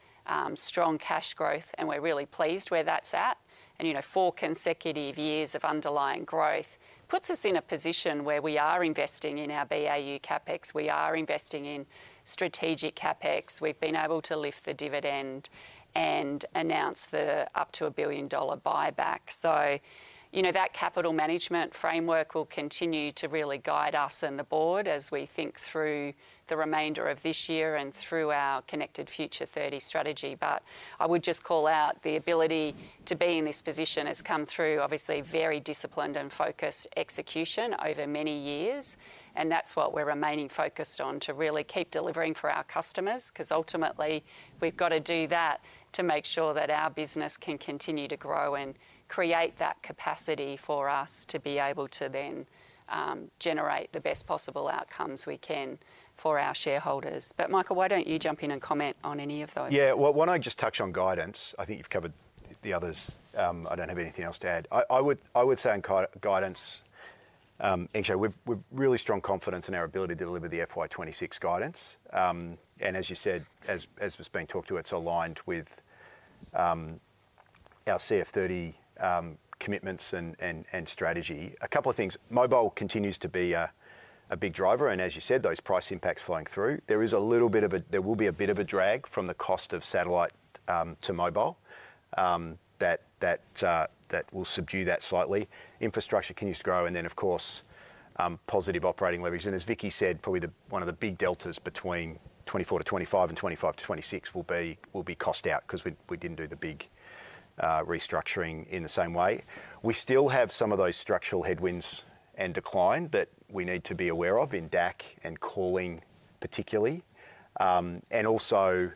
strong cash growth, and we're really pleased where that's at. Four consecutive years of underlying growth puts us in a position where we are investing in our BAU CapEx. We are investing in strategic CapEx. We've been able to lift the dividend and announce the up to $1 billion buyback. That capital management framework will continue to really guide us and the board as we think through the remainder of this year and through our Connected Future 30 strategy. I would just call out the ability to be in this position has come through, obviously, very disciplined and focused execution over many years, and that's what we're remaining focused on to really keep delivering for our customers, because ultimately, we've got to do that to make sure that our business can continue to grow and create that capacity for us to be able to then generate the best possible outcomes we can for our shareholders. Michael, why don't you jump in and comment on any of those? Yeah, when I just touch on guidance, I think you've covered the others. I don't have anything else to add. I would say on guidance, we've really strong confidence in our ability to deliver the FY 2026 guidance. As you said, as was being talked to, it's aligned with our CF30 commitments and strategy. A couple of things. Mobile continues to be a big driver, and as you said, those price impacts flowing through, there is a little bit of a, there will be a bit of a drag from the cost of satellite to mobile that will subdue that slightly. Infrastructure continues to grow, and of course, positive operating leverage. As Vicki said, probably one of the big deltas between 2024 to 2025 and 2025 to 2026 will be cost out, because we didn't do the big restructuring in the same way. We still have some of those structural headwinds and decline that we need to be aware of in DAC and calling particularly. Also,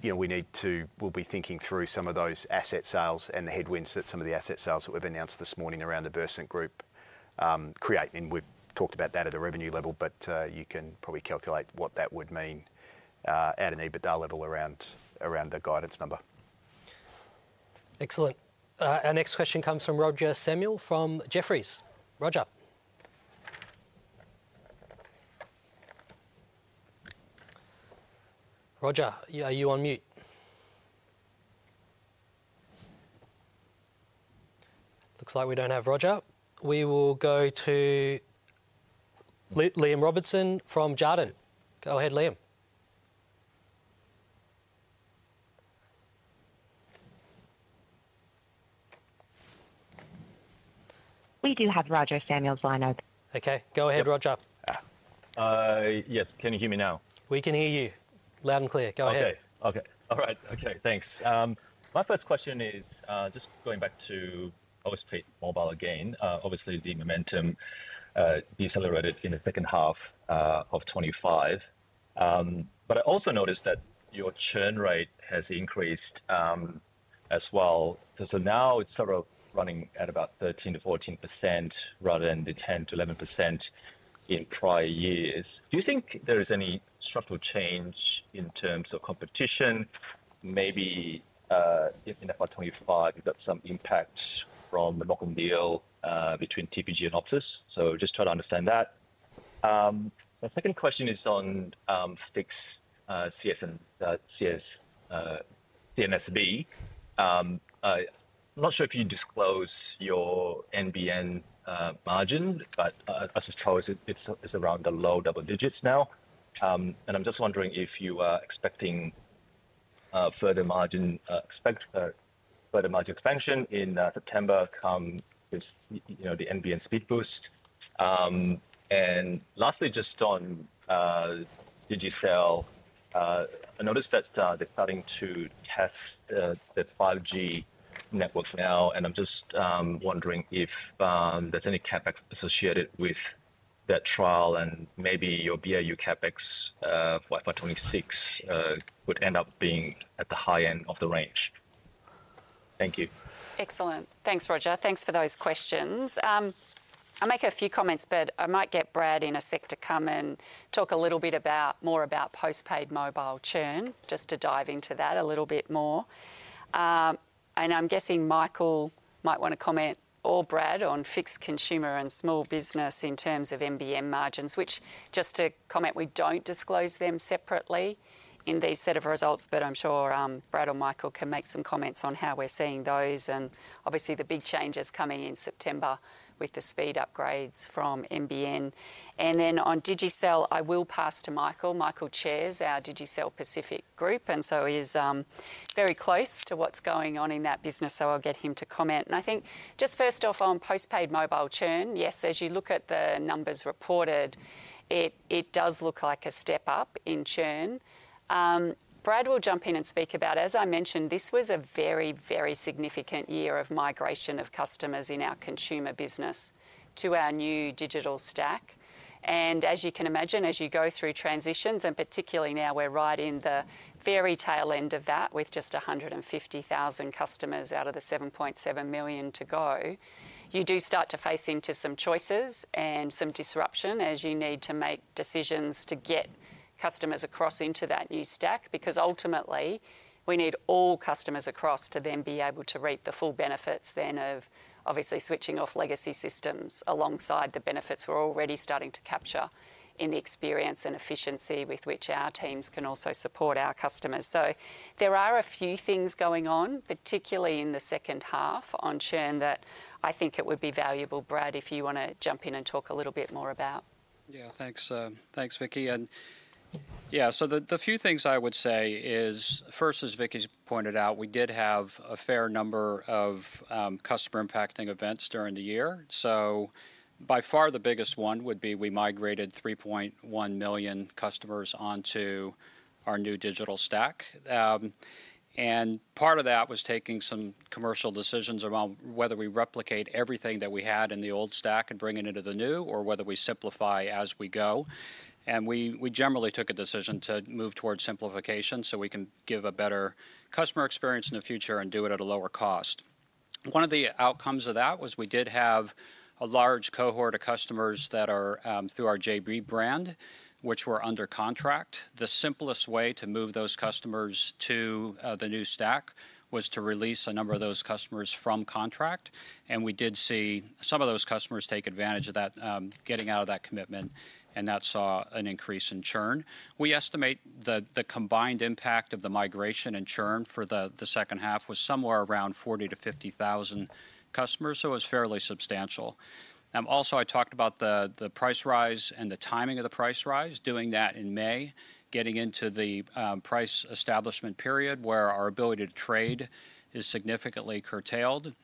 you know, we need to, we'll be thinking through some of those asset sales and the headwinds that some of the asset sales that we've announced this morning around the Versent Group create. We've talked about that at a revenue level, but you can probably calculate what that would mean at an EBITDA level around the guidance number. Excellent. Our next question comes from Roger Samuel from Jefferies. Roger, are you on mute? Looks like we don't have Roger. We will go to Liam Robertson from Jarden. Go ahead, Liam. We do have Roger Samuel's line open. Okay, go ahead, Roger. Yes, can you hear me now? We can hear you loud and clear. Go ahead. Okay, okay. All right. Okay, thanks. My first question is just going back to, obviously, mobile again. Obviously, the momentum decelerated in the second half of 2025. I also noticed that your churn rate has increased as well. Now it's sort of running at about 13%-14% rather than the 10%-11% in prior years. Do you think there is any structural change in terms of competition? Maybe in FY 2025, you've got some impacts from the knock-on deal between TPG and Optus. Just trying to understand that. My second question is on fixed CMSB. I'm not sure if you disclose your NBN margin, but I just chose it's around the low double digits now. I'm just wondering if you are expecting further margin expansion in September with the NBN speed boost. Lastly, just on Digicel, I noticed that they're starting to test the 5G network now. I'm just wondering if there's any CapEx associated with that trial and maybe your BAU CapEx for FY 2026 would end up being at the high end of the range. Thank you. Excellent. Thanks, Roger. Thanks for those questions. I'll make a few comments, but I might get Brad in a sec to come and talk a little bit more about postpaid mobile churn, just to dive into that a little bit more. I'm guessing Michael might want to comment or Brad on fixed consumer and small business in terms of NBN margins, which, just to comment, we don't disclose them separately in these set of results, but I'm sure Brad or Michael can make some comments on how we're seeing those. Obviously, the big change is coming in September with the speed upgrades from NBN. On Digicel, I will pass to Michael. Michael chairs our Digicel Pacific group and is very close to what's going on in that business, so I'll get him to comment. I think just first off on postpaid mobile churn, yes, as you look at the numbers reported, it does look like a step up in churn. Brad will jump in and speak about, as I mentioned, this was a very, very significant year of migration of customers in our consumer business to our new digital stack. As you can imagine, as you go through transitions, and particularly now we're right in the fairy tale end of that with just 150,000 customers out of the 7.7 million to go, you do start to face into some choices and some disruption as you need to make decisions to get customers across into that new stack, because ultimately, we need all customers across to then be able to reap the full benefits of obviously switching off legacy systems alongside the benefits we're already starting to capture in the experience and efficiency with which our teams can also support our customers. There are a few things going on, particularly in the second half on churn, that I think it would be valuable, Brad, if you want to jump in and talk a little bit more about. Yeah, thanks, Vicki. The few things I would say is, first, as Vicki pointed out, we did have a fair number of customer impacting events during the year. By far, the biggest one would be we migrated 3.1 million customers onto our new digital stack. Part of that was taking some commercial decisions around whether we replicate everything that we had in the old stack and bring it into the new, or whether we simplify as we go. We generally took a decision to move towards simplification so we can give a better customer experience in the future and do it at a lower cost. One of the outcomes of that was we did have a large cohort of customers that are through our JB brand, which were under contract. The simplest way to move those customers to the new stack was to release a number of those customers from contract. We did see some of those customers take advantage of that, getting out of that commitment, and that saw an increase in churn. We estimate the combined impact of the migration and churn for the second half was somewhere around 40,000-50,000 customers, so it was fairly substantial. I talked about the price rise and the timing of the price rise, doing that in May, getting into the price establishment period where our ability to trade is significantly curtailed.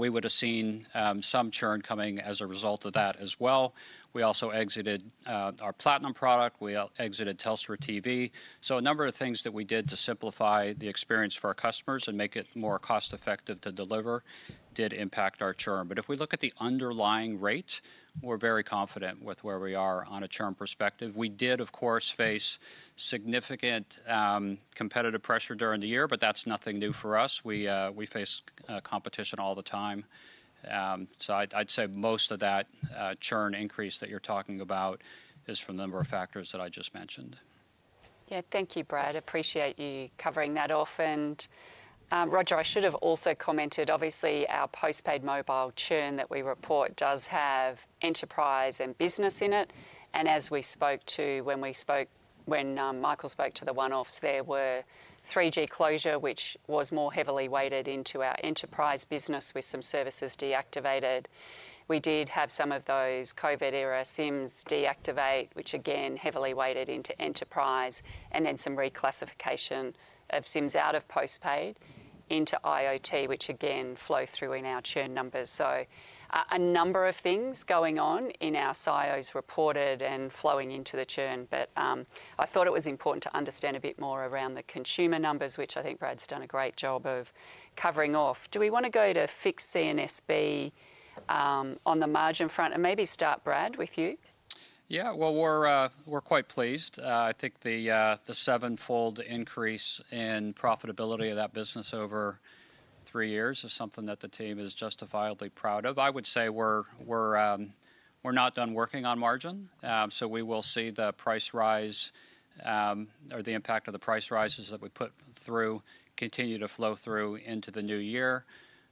We would have seen some churn coming as a result of that as well. We also exited our platinum product. We exited Telstra TV. A number of things that we did to simplify the experience for our customers and make it more cost-effective to deliver did impact our churn. If we look at the underlying rates, we're very confident with where we are on a churn perspective. We did, of course, face significant competitive pressure during the year, but that's nothing new for us. We face competition all the time. I'd say most of that churn increase that you're talking about is from the number of factors that I just mentioned. Thank you, Brad. Appreciate you covering that off. Roger, I should have also commented, obviously, our postpaid mobile churn that we report does have enterprise and business in it. As we spoke to, when Michael spoke to the one-offs, there were 3G closure, which was more heavily weighted into our enterprise business with some services deactivated. We did have some of those COVID-era SIMs deactivate, which again heavily weighted into enterprise, and then some reclassification of SIMs out of postpaid into IoT, which again flowed through in our churn numbers. A number of things going on in our sales reported and flowing into the churn, but I thought it was important to understand a bit more around the consumer numbers, which I think Brad's done a great job of covering off. Do we want to go to fixed CMSB on the margin front and maybe start, Brad, with you? Yeah, we're quite pleased. I think the seven-fold increase in profitability of that business over three years is something that the team is justifiably proud of. I would say we're not done working on margin. We will see the price rise or the impact of the price rises that we put through continue to flow through into the new year.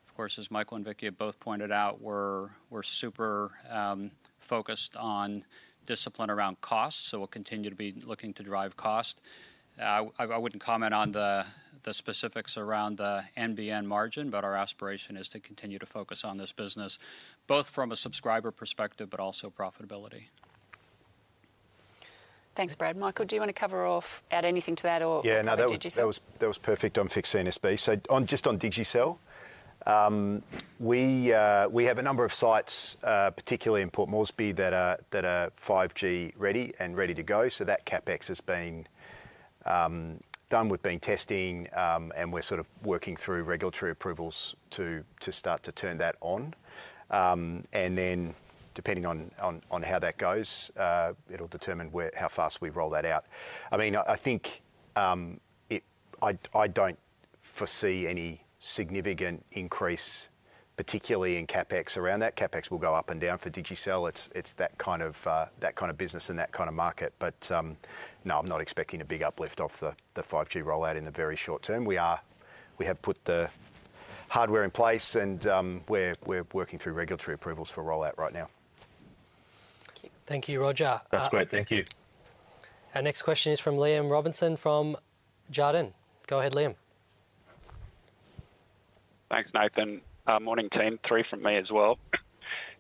Of course, as Michael and Vicki have both pointed out, we're super focused on discipline around costs, so we'll continue to be looking to drive cost. I wouldn't comment on the specifics around the NBN margin, but our aspiration is to continue to focus on this business, both from a subscriber perspective, but also profitability. Thanks, Brad. Michael, do you want to cover off, add anything to that, or did you say? Yeah, no, that was perfect on fixed CMSB. Just on Digicel, we have a number of sites, particularly in Port Moresby, that are 5G ready and ready to go. That CapEx has been done. We've been testing, and we're sort of working through regulatory approvals to start to turn that on. Depending on how that goes, it'll determine how fast we roll that out. I mean, I think I don't foresee any significant increase, particularly in CapEx around that. CapEx will go up and down for Digicel. It's that kind of business in that kind of market. No, I'm not expecting a big uplift off the 5G rollout in the very short-term. We have put the hardware in place, and we're working through regulatory approvals for rollout right now. Thank you, Roger. That's great. Thank you. Our next question is from Liam Robinson from Jarden. Go ahead, Liam. Thanks, Nathan. Morning, team. Three from me as well.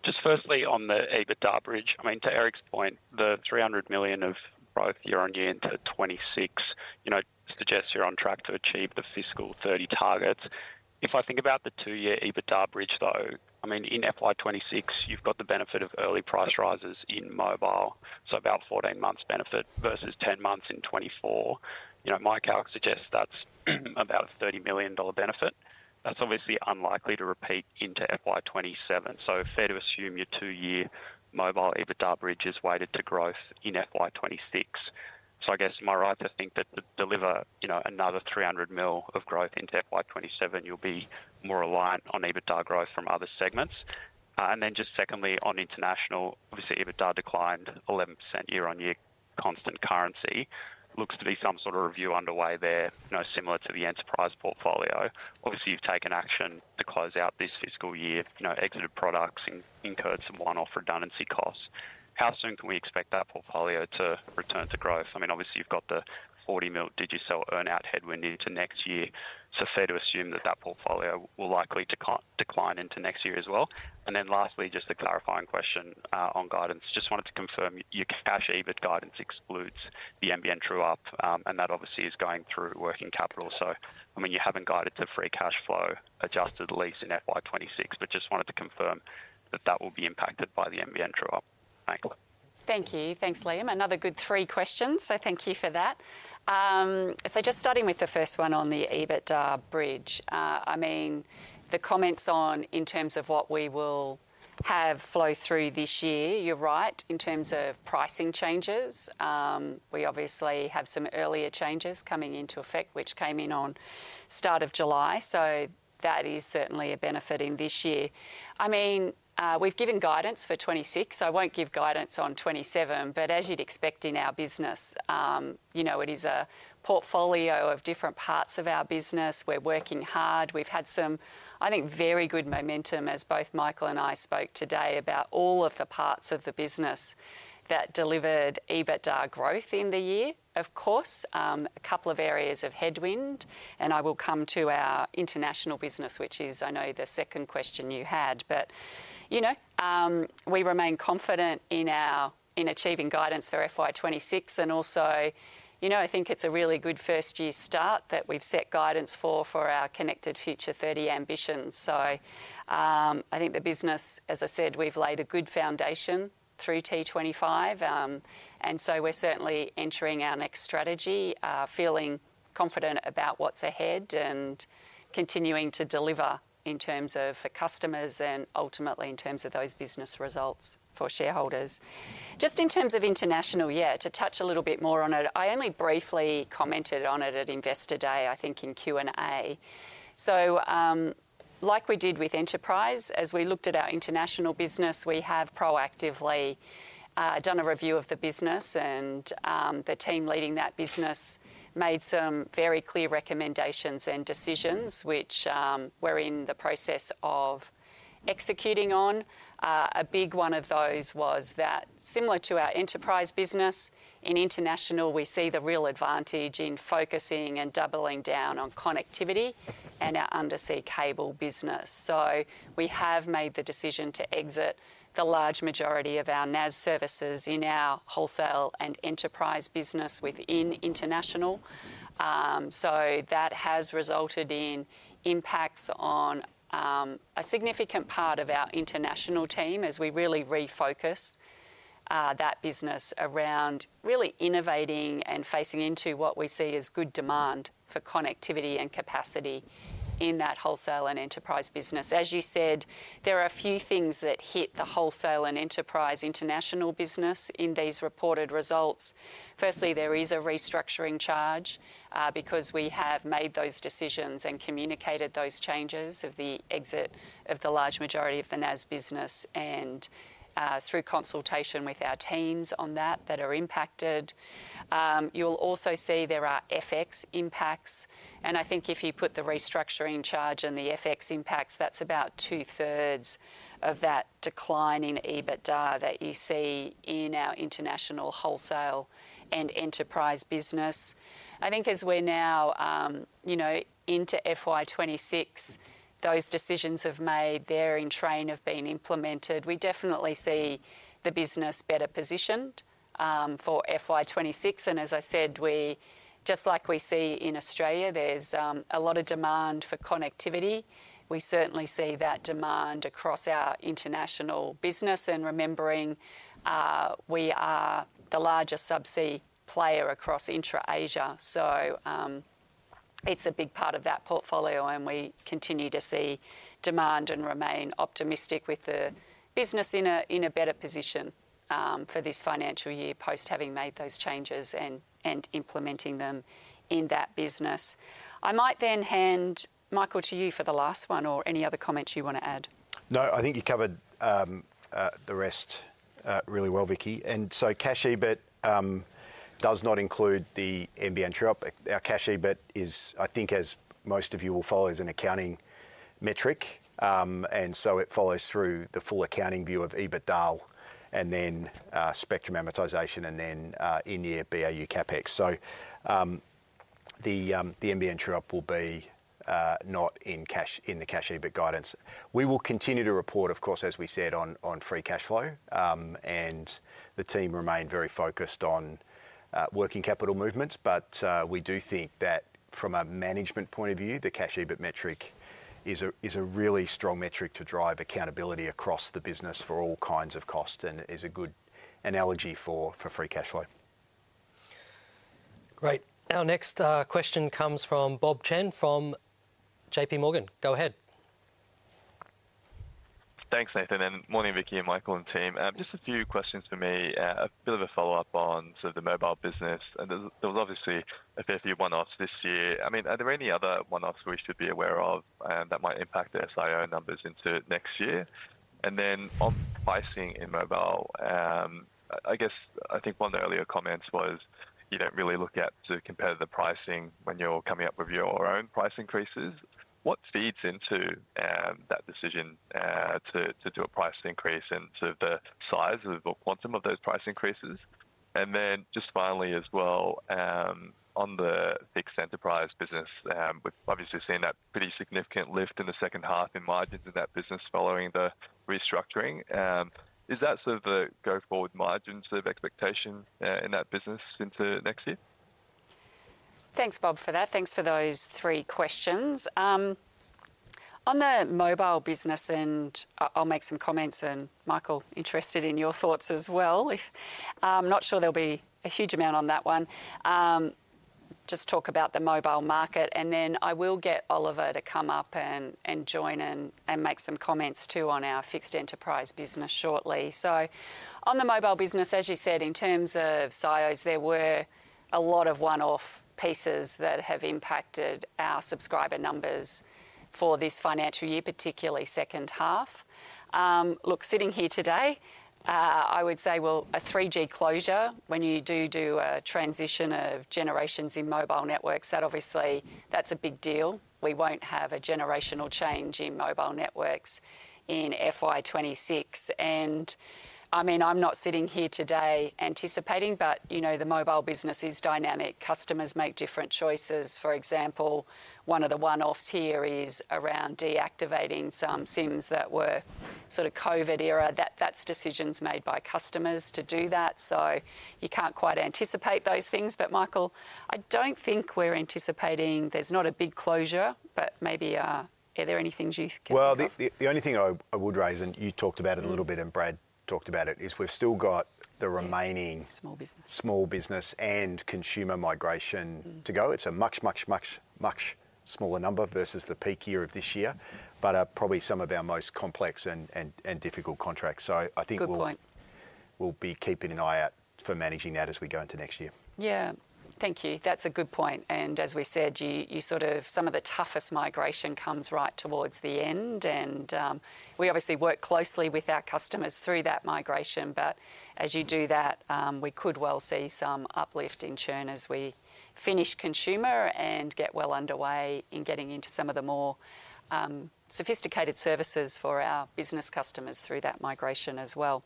Just firstly, on the EBITDA bridge, I mean, to Eric's point, the $300 million of growth year on year into 2026 suggests you're on track to achieve the fiscal 2030 targets. If I think about the two-year EBITDA bridge, though, in FY 2026, you've got the benefit of early price rises in mobile, so about 14 months benefit versus 10 months in 2024. My calc suggests that's about a $30 million benefit. That's obviously unlikely to repeat into FY 2027. Is it fair to assume your two-year mobile EBITDA bridge is weighted to growth in FY 2026? Am I right to think that to deliver another $300 million of growth into FY 2027, you'll be more reliant on EBITDA growth from other segments? Secondly, on international, obviously, EBITDA declined 11% year-on year, constant currency. Looks to be some sort of review underway there, similar to the enterprise portfolio. You've taken action to close out this fiscal year, exited products, and incurred some one-off redundancy costs. How soon can we expect that portfolio to return to growth? You've got the $40 million Digicel earnout headwind into next year. Is it fair to assume that portfolio will likely decline into next year as well? Lastly, just a clarifying question on guidance. I just wanted to confirm your cash EBIT guidance excludes the NBN true up, and that is going through working capital. You haven't guided to free cash flow adjusted at least in FY 2026, but I just wanted to confirm that will be impacted by the NBN true up. Thanks. Thank you. Thanks, Liam. Another good three questions, so thank you for that. Just starting with the first one on the EBITDA bridge, the comments on in terms of what we will have flow through this year, you're right, in terms of pricing changes. We obviously have some earlier changes coming into effect, which came in on the start of July. That is certainly a benefit in this year. We've given guidance for 2026. I won't give guidance on 2027, but as you'd expect in our business, it is a portfolio of different parts of our business. We're working hard. We've had some, I think, very good momentum as both Michael and I spoke today about all of the parts of the business that delivered EBITDA growth in the year, of course, a couple of areas of headwind. I will come to our international business, which is, I know, the second question you had. We remain confident in achieving guidance for FY 2026. I think it's a really good first-year start that we've set guidance for our Connected Future 30 ambitions. I think the business, as I said, we've laid a good foundation through T25. We're certainly entering our next strategy, feeling confident about what's ahead and continuing to deliver in terms of customers and ultimately in terms of those business results for shareholders. Just in terms of international, to touch a little bit more on it, I only briefly commented on it at Investor Day, I think, in Q&A. Like we did with enterprise, as we looked at our international business, we have proactively done a review of the business, and the team leading that business made some very clear recommendations and decisions, which we're in the process of executing on. A big one of those was that, similar to our enterprise business, in international, we see the real advantage in focusing and doubling down on connectivity and our undersea cable business. We have made the decision to exit the large majority of our NAS services in our wholesale and enterprise business within international. That has resulted in impacts on a significant part of our international team as we really refocus that business around really innovating and facing into what we see as good demand for connectivity and capacity in that wholesale and enterprise business. As you said, there are a few things that hit the wholesale and enterprise international business in these reported results. Firstly, there is a restructuring charge because we have made those decisions. We communicated those changes of the exit of the large majority of the NAS business and, through consultation with our teams on that that are impacted. You'll also see there are FX impacts. I think if you put the restructuring charge and the FX impacts, that's about two-thirds of that decline in EBITDA that you see in our international wholesale and enterprise business. I think as we're now into FY 2026, those decisions have been made, they're in train, have been implemented. We definitely see the business better positioned for FY 2026. As I said, just like we see in Australia, there's a lot of demand for connectivity. We certainly see that demand across our international business, and remembering, we are the largest subsea player across intra-Asia. It's a big part of that portfolio, and we continue to see demand and remain optimistic with the business in a better position for this financial year post having made those changes and implementing them in that business. I might then hand to you, Michael, for the last one or any other comments you want to add. No, I think you covered the rest really well, Vicki. Cash EBIT does not include the ambient drop. Our cash EBIT is, I think, as most of you will follow, an accounting metric, and it follows through the full accounting view of EBITDA and then spectrum amortization and then in-year BAU CapEx. The ambient drop will not be in the cash EBIT guidance. We will continue to report, of course, as we said, on free cash flow, and the team remain very focused on working capital movements. We do think that from a management point of view, the cash EBIT metric is a really strong metric to drive accountability across the business for all kinds of costs and is a good analogy for free cash flow. Great. Our next question comes from Bob Chen from JPMorgan. Go ahead. Thanks, Nathan. Morning, Vicki, and Michael, and team. Just a few questions for me. A bit of a follow-up on sort of the mobile business. There was obviously a fair few one-offs this year. Are there any other one-offs we should be aware of that might impact SIO numbers into next year? On pricing in mobile, I guess I think one of the earlier comments was you don't really look at to compare the pricing when you're coming up with your own price increases. What feeds into that decision to do a price increase, into the size of the quantum of those price increases? Finally, as well, on the fixed enterprise business, we've obviously seen that pretty significant lift in the second half in margins in that business following the restructuring. Is that sort of the go-forward margins of expectation in that business into next year? Thanks, Bob, for that. Thanks for those three questions. On the mobile business, I'll make some comments and Michael, interested in your thoughts as well. I'm not sure there'll be a huge amount on that one. Just talk about the mobile market. I will get Oliver to come up and join in and make some comments too on our fixed enterprise business shortly. On the mobile business, as you said, in terms of size, there were a lot of one-off pieces that have impacted our subscriber numbers for this financial year, particularly second half. Look, sitting here today, I would say, a 3G closure, when you do a transition of generations in mobile networks, that obviously, that's a big deal. We won't have a generational change in mobile networks in FY 2026. I'm not sitting here today anticipating, but you know, the mobile business is dynamic. Customers make different choices. For example, one of the one-offs here is around deactivating some SIMs that were sort of COVID era. That's decisions made by customers to do that. You can't quite anticipate those things. Michael, I don't think we're anticipating there's not a big closure, but maybe, are there any things you can think of? The only thing I would raise, and you talked about it a little bit and Brad talked about it, is we've still got the remaing small business and consumer migration to go. It's a much, much, much, much smaller number versus the peak year of this year, but probably some of our most complex and difficult contracts. I think we'll be keeping an eye out for managing that as we go into next year. Thank you. That's a good point. As we said, some of the toughest migration comes right towards the end. We obviously work closely with our customers through that migration, but as you do that, we could well see some uplift in churn as we finish consumer and get well underway in getting into some of the more sophisticated services for our business customers through that migration as well.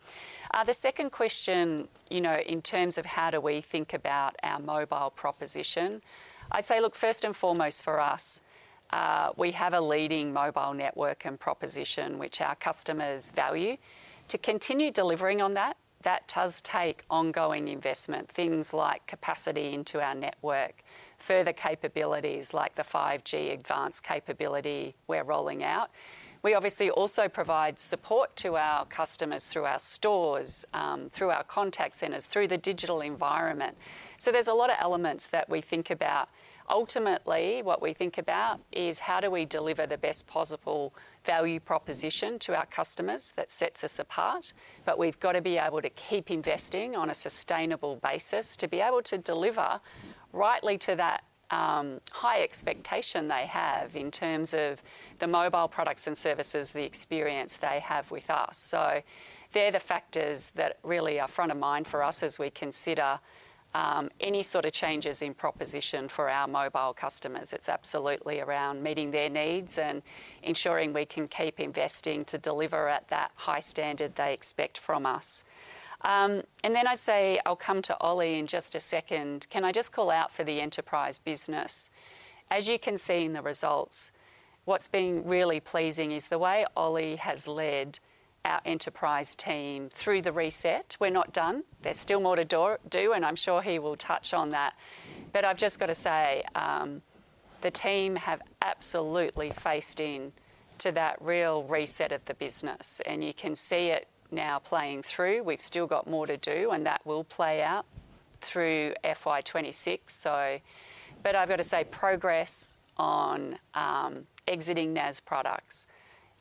The second question, in terms of how do we think about our mobile proposition, I'd say, first and foremost for us, we have a leading mobile network and proposition, which our customers value. To continue delivering on that, that does take ongoing investment, things like capacity into our network, further capabilities like the 5G advanced capability we're rolling out. We obviously also provide support to our customers through our stores, through our contact centers, through the digital environment. There are a lot of elements that we think about. Ultimately, what we think about is how do we deliver the best possible value proposition to our customers that sets us apart. We've got to be able to keep investing on a sustainable basis to be able to deliver rightly to that high expectation they have in terms of the mobile products and services, the experience they have with us. Those are the factors that really are front of mind for us as we consider any sort of changes in proposition for our mobile customers. It's absolutely around meeting their needs and ensuring we can keep investing to deliver at that high standard they expect from us. I'll come to Ollie in just a second. Can I just call out for the enterprise business? As you can see in the results, what's been really pleasing is the way Ollie has led our enterprise team through the reset. We're not done. There's still more to do, and I'm sure he will touch on that. I have to say, the team have absolutely faced into that real reset of the business. You can see it now playing through. We've still got more to do, and that will play out through FY 2026. I have to say progress on exiting NAS products.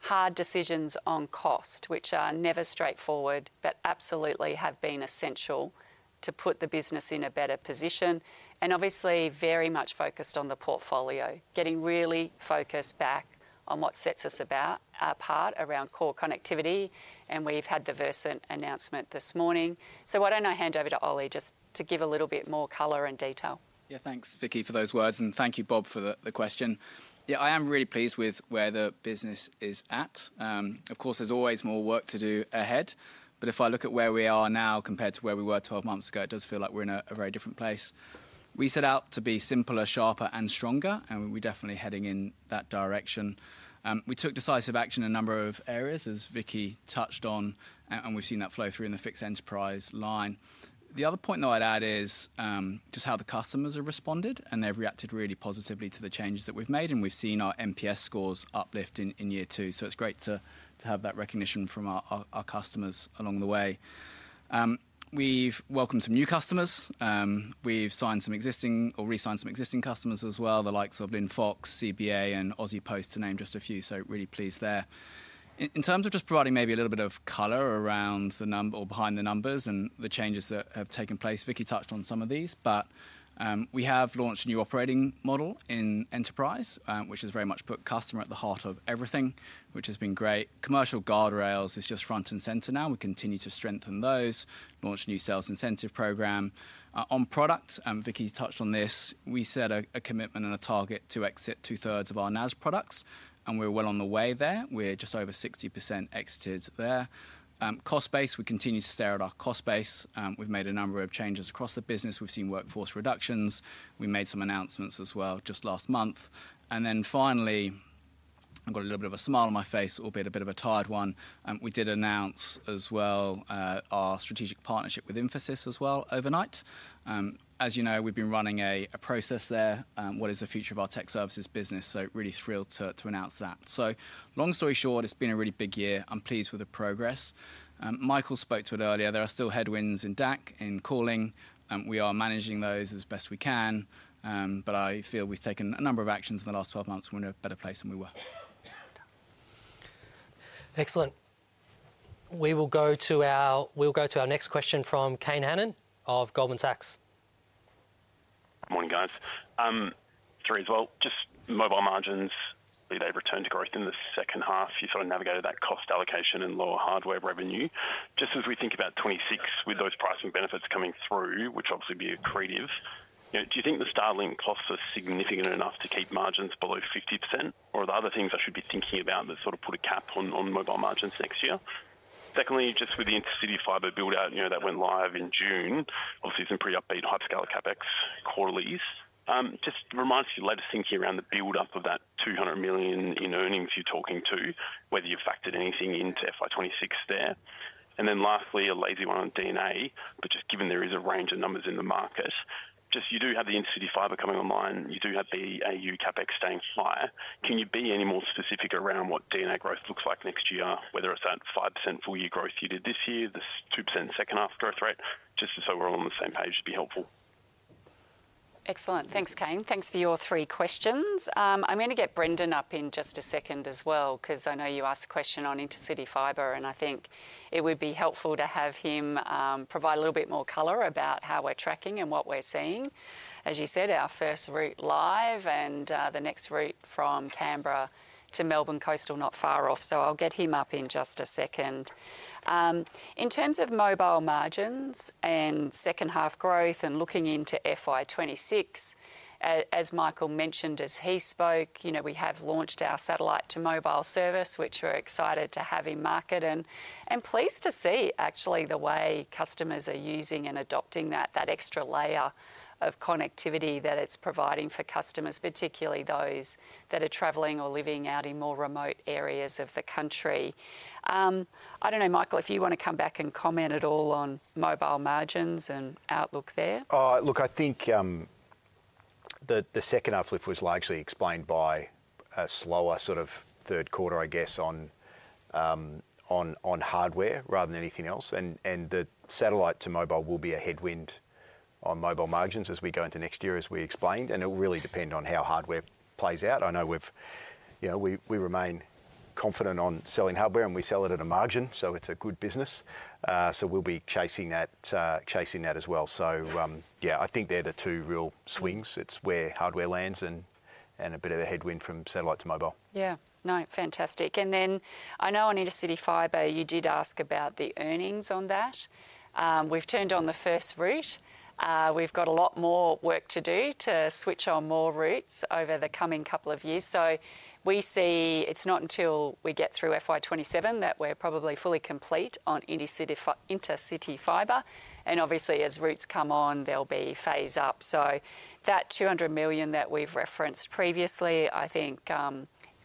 Hard decisions on cost, which are never straightforward, but absolutely have been essential to put the business in a better position. Obviously, very much focused on the portfolio, getting really focused back on what sets us apart around core connectivity. We've had the Versent announcement this morning. Why don't I hand over to Ollie just to give a little bit more color and detail? Yeah, thanks, Vicki, for those words. Thank you, Bob, for the question. Yeah, I am really pleased with where the business is at. Of course, there's always more work to do ahead. If I look at where we are now compared to where we were 12 months ago, it does feel like we're in a very different place. We set out to be simpler, sharper, and stronger, and we're definitely heading in that direction. We took decisive action in a number of areas, as Vicki touched on, and we've seen that flow through in the fixed enterprise line. The other point that I'd add is just how the customers have responded, and they've reacted really positively to the changes that we've made, and we've seen our NPS scores uplift in year two. It's great to have that recognition from our customers along the way. We've welcomed some new customers. We've signed some existing or re-signed some existing customers as well, the likes of Linfox, CBA, and, Aussie Post to name just a few. Really pleased there. In terms of just providing maybe a little bit of color around the number or behind the numbers and the changes that have taken place, Vicki touched on some of these, but we have launched a new operating model in enterprise, which has very much put customer at the heart of everything, which has been great. Commercial guardrails are just front and center now. We continue to strengthen those, launch a new sales incentive program. On product, Vicki touched on this, we set a commitment and a target to exit two-thirds of our NAS products, and we're well on the way there. We're just over 60% exited there. Cost base, we continue to stare at our cost base. We've made a number of changes across the business. We've seen workforce reductions. We made some announcements as well just last month. Finally, I've got a little bit of a smile on my face, albeit a bit of a tired one. We did announce as well our strategic partnership with Infosys as well overnight. As you know, we've been running a process there. What is the future of our tech services business? Really thrilled to announce that. Long story short, it's been a really big year. I'm pleased with the progress. Michael spoke to it earlier. There are still headwinds in DAC in calling. We are managing those as best we can, but I feel we've taken a number of actions in the last 12 months and we're in a better place than we were. Excellent. We will go to our next question from Kane Hannan of Goldman Sachs. Morning guys. Three, as well, just mobile margins, be they return to growth in the second half, you sort of navigated that cost allocation and lower hardware revenue. Just as we think about 2026 with those pricing benefits coming through, which obviously be accretive, do you think the Starlink costs are significant enough to keep margins below 50%? Are there other things I should be thinking about that sort of put a cap on mobile margins next year? Secondly, just with the intercity fiber build-out, you know, that went live in June, obviously some pretty upbeat hyperscale CapEx quarterlies. Just reminds you of the latest thinking around the build-up of that $200 million in earnings you're talking to, whether you've factored anything into FY 2026 there. Lastly, a lazy one on D&A, but just given there is a range of numbers in the markets, you do have the intercity fiber coming online, you do have BAU CapEx staying higher. Can you be any more specific around what D&A growth looks like next year, whether it's that 5% full year growth you did this year, the 2% second half growth rate, just so we're all on the same page to be helpful? Excellent. Thanks, Kane. Thanks for your three questions. I'm going to get Brendon up in just a second as well, because I know you asked a question on intercity fibre, and I think it would be helpful to have him provide a little bit more color about how we're tracking and what we're seeing. As you said, our first route live and the next route from Canberra to Melbourne Coastal, not far off. I'll get him up in just a second. In terms of mobile margins and second half growth and looking into FY 2026, as Michael mentioned as he spoke, you know, we have launched our satellite to mobile service, which we're excited to have in market and pleased to see actually the way customers are using and adopting that extra layer of connectivity that it's providing for customers, particularly those that are traveling or living out in more remote areas of the country. I don't know, Michael, if you want to come back and comment at all on mobile margins and outlook there. Look, I think the second half lift was largely explained by a slower sort of third quarter, I guess, on hardware rather than anything else. The satellite to mobile will be a headwind on mobile margins as we go into next year, as we explained. It'll really depend on how hardware plays out. I know we remain confident on selling hardware and we sell it at a margin. It's a good business. We'll be chasing that as well. I think they're the two real swings. It's where hardware lands and a bit of a headwind from satellite to mobile. Yeah, no, fantastic. I know on intercity fibre, you did ask about the earnings on that. We've turned on the first route. We've got a lot more work to do to switch on more routes over the coming couple of years. We see it's not until we get through FY 2027 that we're probably fully complete on intercity fibre. Obviously, as routes come on, there'll be phase up. That $200 million that we've referenced previously, I think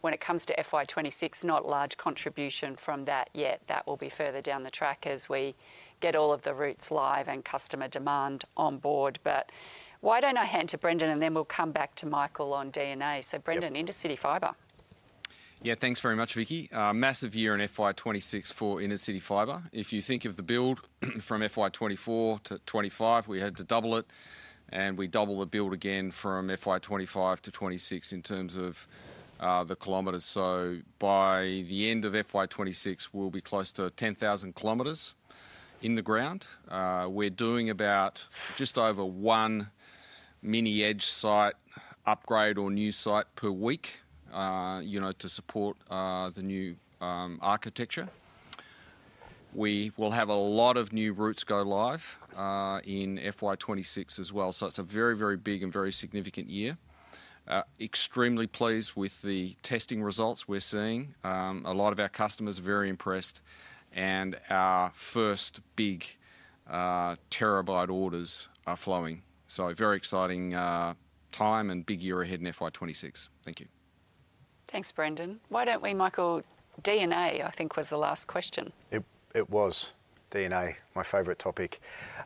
when it comes to FY 2026, not a large contribution from that yet. That will be further down the track as we get all of the routes live and customer demand on board. Why don't I hand to Brendon and then we'll come back to Michael on D&A. Brendon, intercity fibre. Yeah, thanks very much, Vicki. Massive year in FY 2026 for intercity fibre. If you think of the build from FY 2024 to FY 2025, we had to double it, and we doubled the build again from FY 2025 to FY 2026 in terms of the kilometers. By the end of FY 2026, we'll be close to 10,000 km in the ground. We're doing about just over one mini edge site upgrade or new site per week to support the new architecture. We will have a lot of new routes go live in FY 2026 as well. It is a very, very big and very significant year. Extremely pleased with the testing results we're seeing. A lot of our customers are very impressed, and our first big terabyte orders are flowing. Very exciting time and big year ahead in FY 2026. Thank you. Thanks, Brendon. Why don't we, Michael, D&A, I think was the last question. It was D&A, my favorite topic.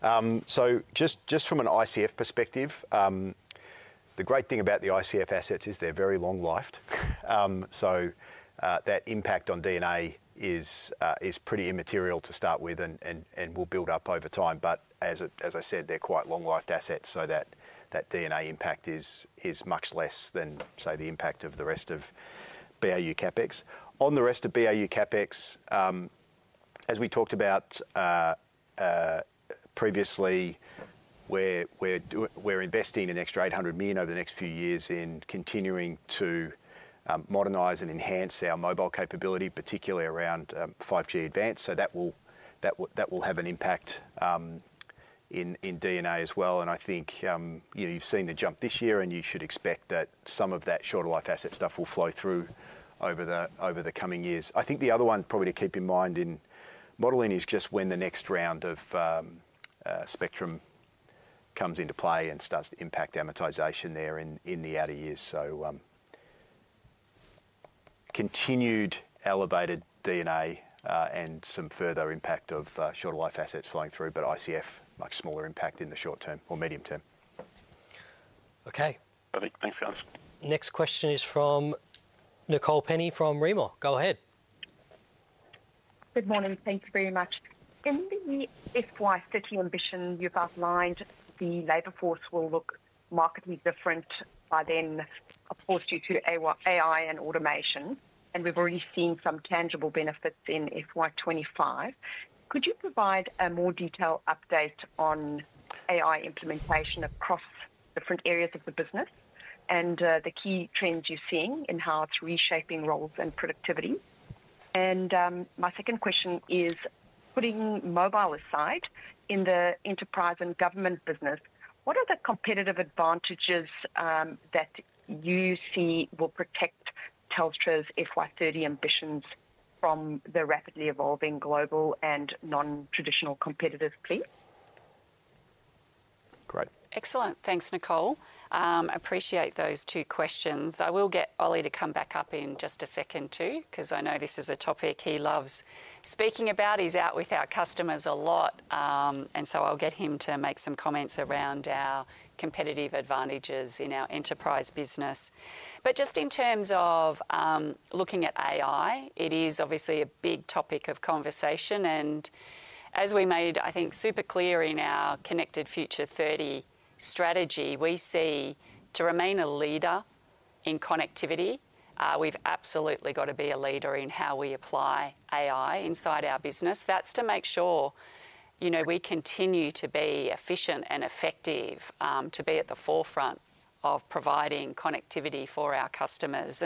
Just from an ICF perspective, the great thing about the I assets is they're very long-lived. That impact on D&A is pretty immaterial to start with and will build up over time. As I said, they're quite long-lived assets. That D&A impact is much less than, say, the impact of the rest of BAU CapEx. On the rest of BAU CapEx, as we talked about previously, we're investing an extra $800 million over the next few years in continuing to modernize and enhance our mobile capability, particularly around 5G advance. That will have an impact in D&A as well. I think you've seen the jump this year and you should expect that some of that shorter life asset stuff will flow through over the coming years. The other one probably to keep in mind in modeling is just when the next round of spectrum comes into play and starts to impact amortization there in the outer years. Continued elevated D&A and some further impact of shorter life assets flowing through, but ICF, much smaller impact in the short term or medium term. Okay. Perfect. Thanks, guys. Next question is from Nicole Penny from Rimor. Go ahead. Good morning. Thanks very much. In the FY 2030 ambition you've outlined, the labor force will look markedly different by then, of course, due to AI and automation. We've already seen some tangible benefits in FY 2025. Could you provide a more detailed update on AI implementation across different areas of the business and the key trends you're seeing in how it's reshaping roles and productivity? My second question is, putting mobile aside in the enterprise and government business, what are the competitive advantages that you see will protect Telstra's FY 2030 ambitions from the rapidly evolving global and non-traditional competitive fleet? Excellent. Thanks, Nicole. I appreciate those two questions. I will get Ollie to come back up in just a second too, because I know this is a topic he loves speaking about. He's out with our customers a lot. I will get him to make some comments around our competitive advantages in our enterprise business. Just in terms of looking at AI, it is obviously a big topic of conversation. As we made, I think, super clear in our Connected Future 30 strategy, we see to remain a leader in connectivity, we've absolutely got to be a leader in how we apply AI inside our business. That's to make sure we continue to be efficient and effective to be at the forefront of providing connectivity for our customers.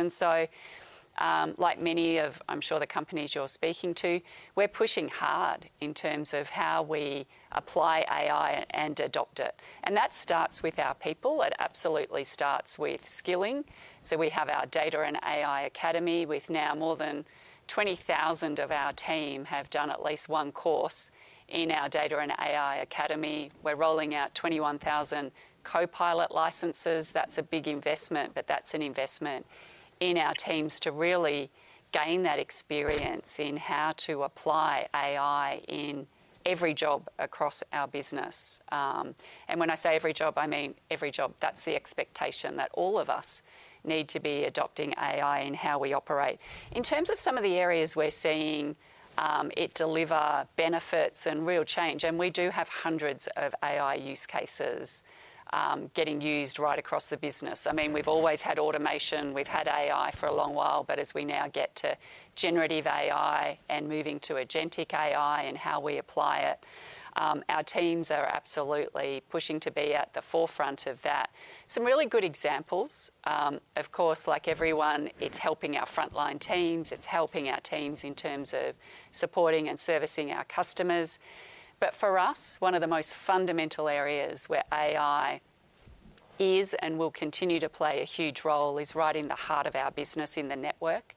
Like many of, I'm sure, the companies you're speaking to, we're pushing hard in terms of how we apply AI and adopt it. That starts with our people. It absolutely starts with skilling. We have our Data and AI Academy. With now more than 20,000 of our team have done at least one course in our Data and AI Academy. We're rolling out 21,000 Copilot licenses. That's a big investment, but that's an investment in our teams to really gain that experience in how to apply AI in every job across our business. When I say every job, I mean every job. That's the expectation that all of us need to be adopting AI in how we operate. In terms of some of the areas we're seeing it deliver benefits and real change, we do have hundreds of AI use cases getting used right across the business. We've always had automation. We've had AI for a long while, but as we now get to generative AI and moving to agentic AI and how we apply it, our teams are absolutely pushing to be at the forefront of that. Some really good examples. Of course, like everyone, it's helping our frontline teams. It's helping our teams in terms of supporting and servicing our customers. For us, one of the most fundamental areas where AI is and will continue to play a huge role is right in the heart of our business in the network.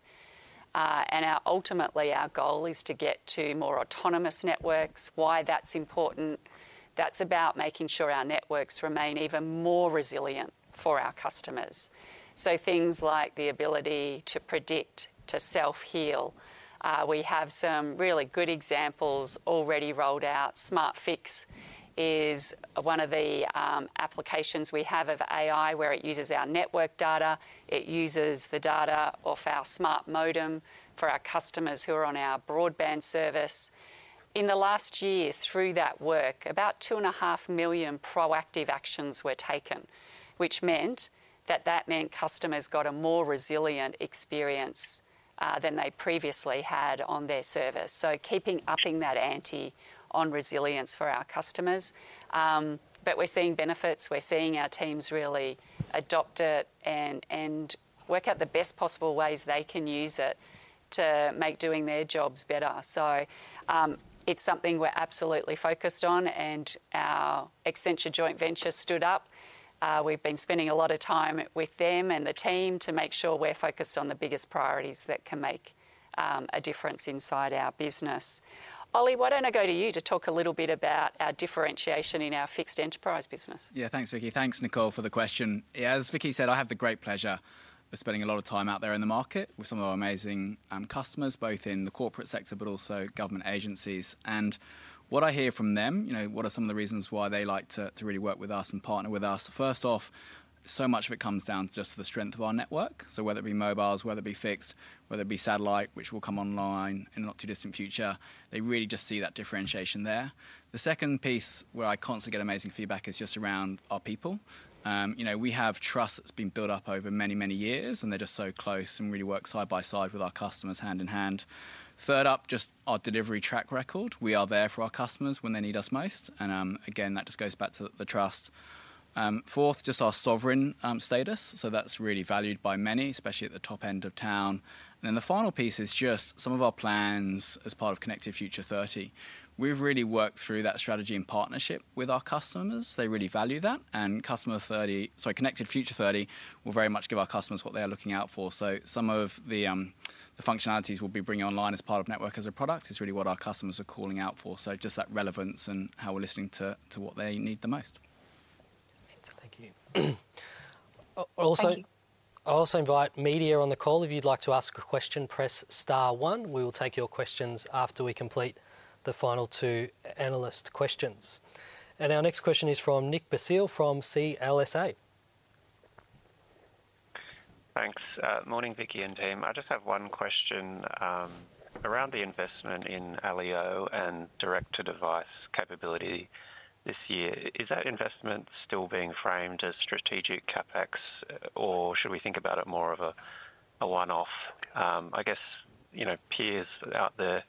Ultimately, our goal is to get to more autonomous networks. Why that's important, that's about making sure our networks remain even more resilient for our customers. Things like the ability to predict, to self-heal. We have some really good examples already rolled out. SmartFix is one of the applications we have of AI where it uses our network data. It uses the data of our smart modem for our customers who are on our broadband service. In the last year, through that work, about $2.5 million proactive actions were taken, which meant that customers got a more resilient experience than they previously had on their service. Keeping upping that ante on resilience for our customers, we're seeing benefits. We're seeing our teams really adopt it and work out the best possible ways they can use it to make doing their jobs better. It's something we're absolutely focused on. Our Accenture joint venture stood up. We've been spending a lot of time with them and the team to make sure we're focused on the biggest priorities that can make a difference inside our business. Ollie, why don't I go to you to talk a little bit about our differentiation in our fixed enterprise business? Yeah, thanks, Vicki. Thanks, Nicole, for the question. As Vicki said, I have the great pleasure of spending a lot of time out there in the market with some of our amazing customers, both in the corporate sector, but also government agencies. What I hear from them, you know, what are some of the reasons why they like to really work with us and partner with us? First off, so much of it comes down to just the strength of our network. Whether it be mobiles, whether it be fixed, whether it be satellite, which will come online in the not-too-distant future, they really just see that differentiation there. The second piece where I constantly get amazing feedback is just around our people. We have trust that's been built up over many, many years, and they're just so close and really work side by side with our customers hand in hand. Third up, just our delivery track record. We are there for our customers when they need us most. That just goes back to the trust. Fourth, just our sovereign status. That's really valued by many, especially at the top end of town. The final piece is just some of our plans as part of Connected Future 30. We've really worked through that strategy in partnership with our customers. They really value that. Connected Future 30 will very much give our customers what they're looking out for. Some of the functionalities we'll be bringing online as part of Network as a Product is really what our customers are calling out for. Just that relevance and how we're listening to what they need the most. Thank you. I'll also invite media on the call. If you'd like to ask a question, press star one. We will take your questions after we complete the final two analyst questions. Our next question is from Nick Basile from CLSA. Thanks. Morning, Vicki and team. I just have one question around the investment in LEO and direct-to-device capability this year. Is that investment still being framed as strategic CapEx, or should we think about it more as a one-off? I guess peers out there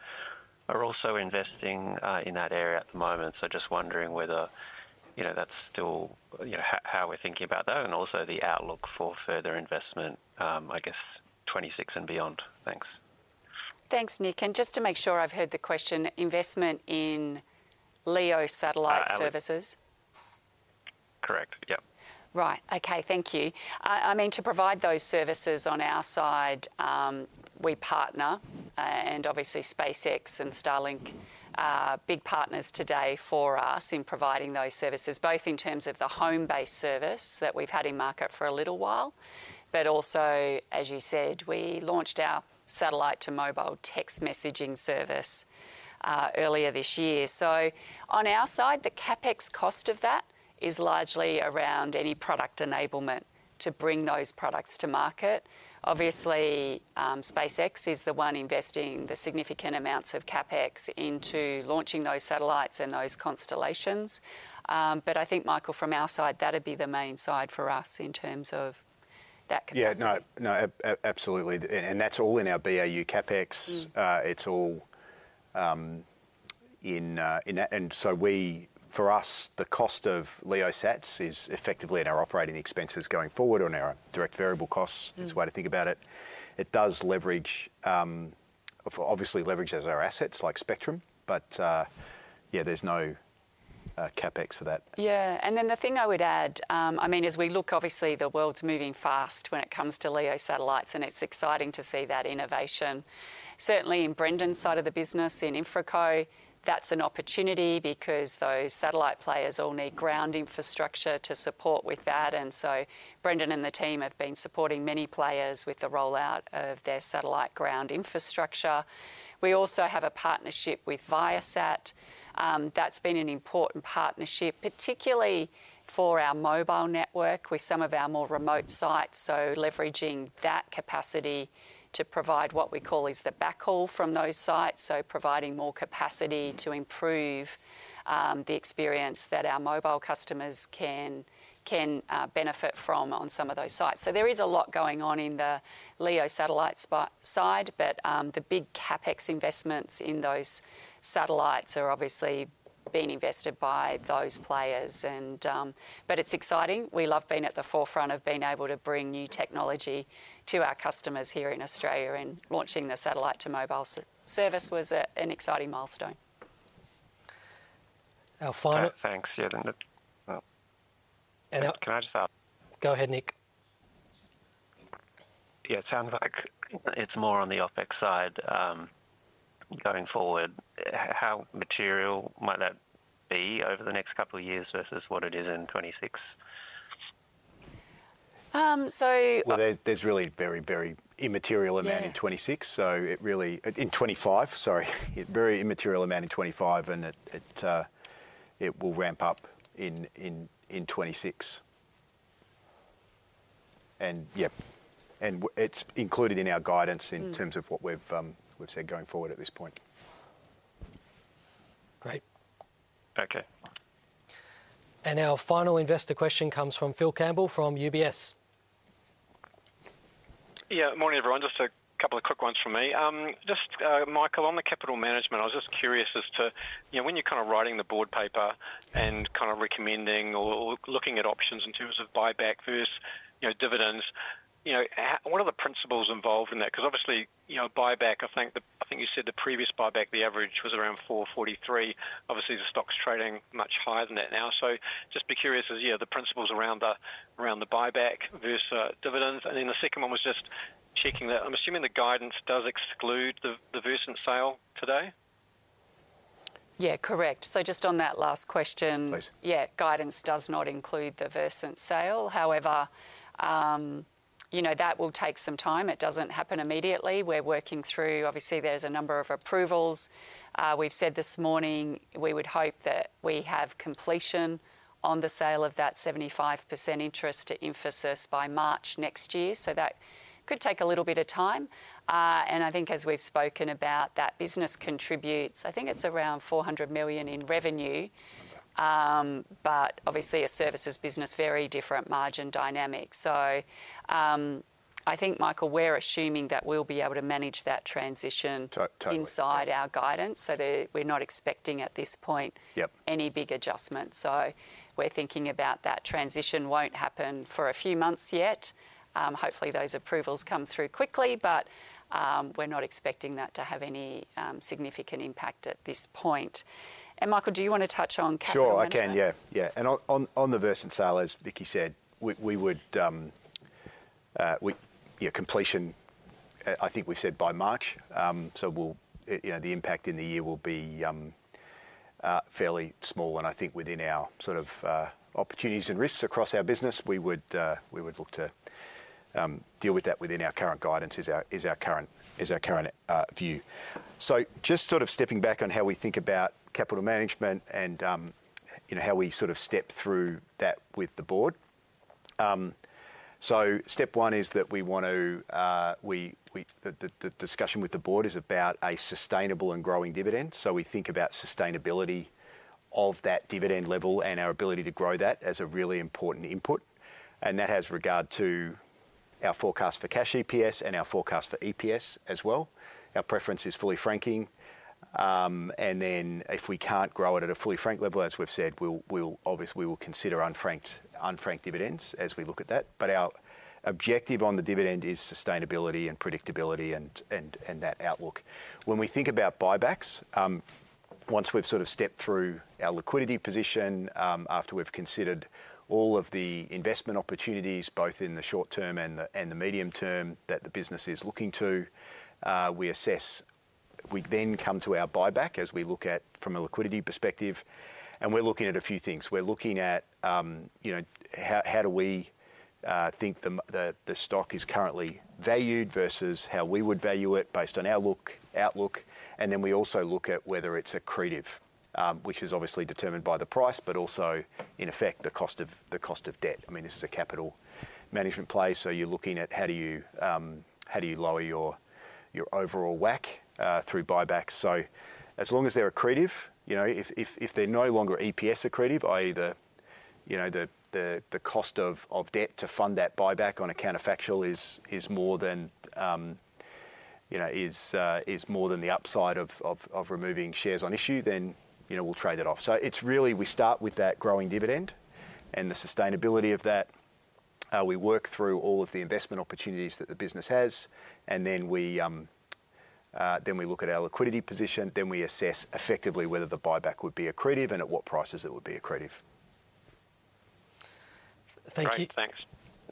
are also investing in that area at the moment. Just wondering whether that's still how we're thinking about that and also the outlook for further investment, I guess, 2026 and beyond. Thanks. Thanks, Nick. Just to make sure I've heard the question, investment in LEO satellite services. Correct. Yeah. Right. Okay. Thank you. I mean, to provide those services on our side, we partner, and obviously SpaceX and Starlink are big partners today for us in providing those services, both in terms of the home-based service that we've had in market for a little while, but also, as you said, we launched our satellite to mobile text messaging service earlier this year. On our side, the CapEx cost of that is largely around any product enablement to bring those products to market. Obviously, SpaceX is the one investing the significant amounts of CapEx into launching those satellites and those constellations. I think, Michael, from our side, that'd be the main side for us in terms of that capacity. No, absolutely. That's all in our BAU CapEx. It's all in that. For us, the cost of LEO sets is effectively in our operating expenses going forward on our direct variable costs, is the way to think about it. It does leverage, obviously, leverage as our assets like spectrum, but there's no CapEx for that. Yeah. The thing I would add, I mean, as we look, obviously, the world's moving fast when it comes to LEO satellites, and it's exciting to see that innovation. Certainly in Brendan's side of the business, in InfraCo, that's an opportunity because those satellite players all need ground infrastructure to support with that. Brendan and the team have been supporting many players with the rollout of their satellite ground infrastructure. We also have a partnership with Viasat. That's been an important partnership, particularly for our mobile network with some of our more remote sites. Leveraging that capacity to provide what we call is the backhaul from those sites, providing more capacity to improve the experience that our mobile customers can benefit from on some of those sites. There is a lot going on in the LEO satellite side, but the big CapEx investments in those satellites are obviously being invested by those players. It's exciting. We love being at the forefront of being able to bring new technology to our customers here in Australia, and launching the satellite to mobile service was an exciting milestone. Thanks, Vicki. Can I just add? Go ahead, Nick. Yeah, it sounds like it's more on the OpEx side going forward. How material might that be over the next couple of years versus what it is in 2026? There's really a very, very immaterial amount in 2025, and it will ramp up in 2026. It's included in our guidance in terms of what we've said going forward at this point. Great. Okay. Our final investor question comes from Phil Campbell from UBS. Yeah, morning everyone. Just a couple of quick ones from me. Michael, on the capital management, I was just curious as to, you know, when you're kind of writing the board paper and kind of recommending or looking at options in terms of buyback versus dividends, you know, what are the principles involved in that? Because obviously, you know, buyback, I think you said the previous buyback, the average was around $4.43. Obviously, the stock's trading much higher than that now. Just be curious as you know, the principles around the buyback versus dividends. The second one was just checking that. I'm assuming the guidance does exclude the Versent sale toda?. Yeah, correct. Just on that last question, guidance does not include the Versent sale. However, you know, that will take some time. It doesn't happen immediately. We're working through, obviously, there's a number of approvals. We've said this morning we would hope that we have completion on the sale of that 75% interest to Infosys by March next year. That could take a little bit of time. As we've spoken about, that business contributes, I think it's around $400 million in revenue, but obviously a services business, very different margin dynamics. I think, Michael, we're assuming that we'll be able to manage that transition inside our guidance. We're not expecting at this point any big adjustments. We're thinking about that transition won't happen for a few months yet. Hopefully, those approvals come through quickly, but we're not expecting that to have any significant impact at this point. Michael, do you want to touch on capital? Sure, I can. Yeah. On the Versent sale, as Vicki said, we would, at completion, I think we said by March. The impact in the year will be fairly small. Within our sort of opportunities and risks across our business, we would look to deal with that within our current guidance, is our current view. Stepping back on how we think about capital management and how we sort of step through that with the Board, step one is that we want to, the discussion with the Board is about a sustainable and growing dividend. We think about sustainability of that dividend level and our ability to grow that as a really important input. That has regard to our forecast for cash EPS and our forecast for EPS as well. Our preference is fully franking. If we can't grow it at a fully franked level, as we've said, we will consider unfranked dividends as we look at that. Our objective on the dividend is sustainability and predictability and that outlook. When we think about buybacks, once we've stepped through our liquidity position, after we've considered all of the investment opportunities, both in the short-term and the medium-term that the business is looking to, we then come to our buyback as we look at from a liquidity perspective. We're looking at a few things. We're looking at how do we think the stock is currently valued versus how we would value it based on our outlook. We also look at whether it's accretive, which is obviously determined by the price, but also in effect the cost of debt. This is a capital management play. You're looking at how do you lower your overall WACC through buybacks. As long as they're accretive, if they're no longer EPS accretive, i.e., the cost of debt to fund that buyback on a counterfactual is more than the upside of removing shares on issue, then we'll trade it off. We start with that growing dividend and the sustainability of that. We work through all of the investment opportunities that the business has. We look at our liquidity position. Then we assess effectively whether the buyback would be accretive and at what prices it would be accretive. Thank you. Thanks.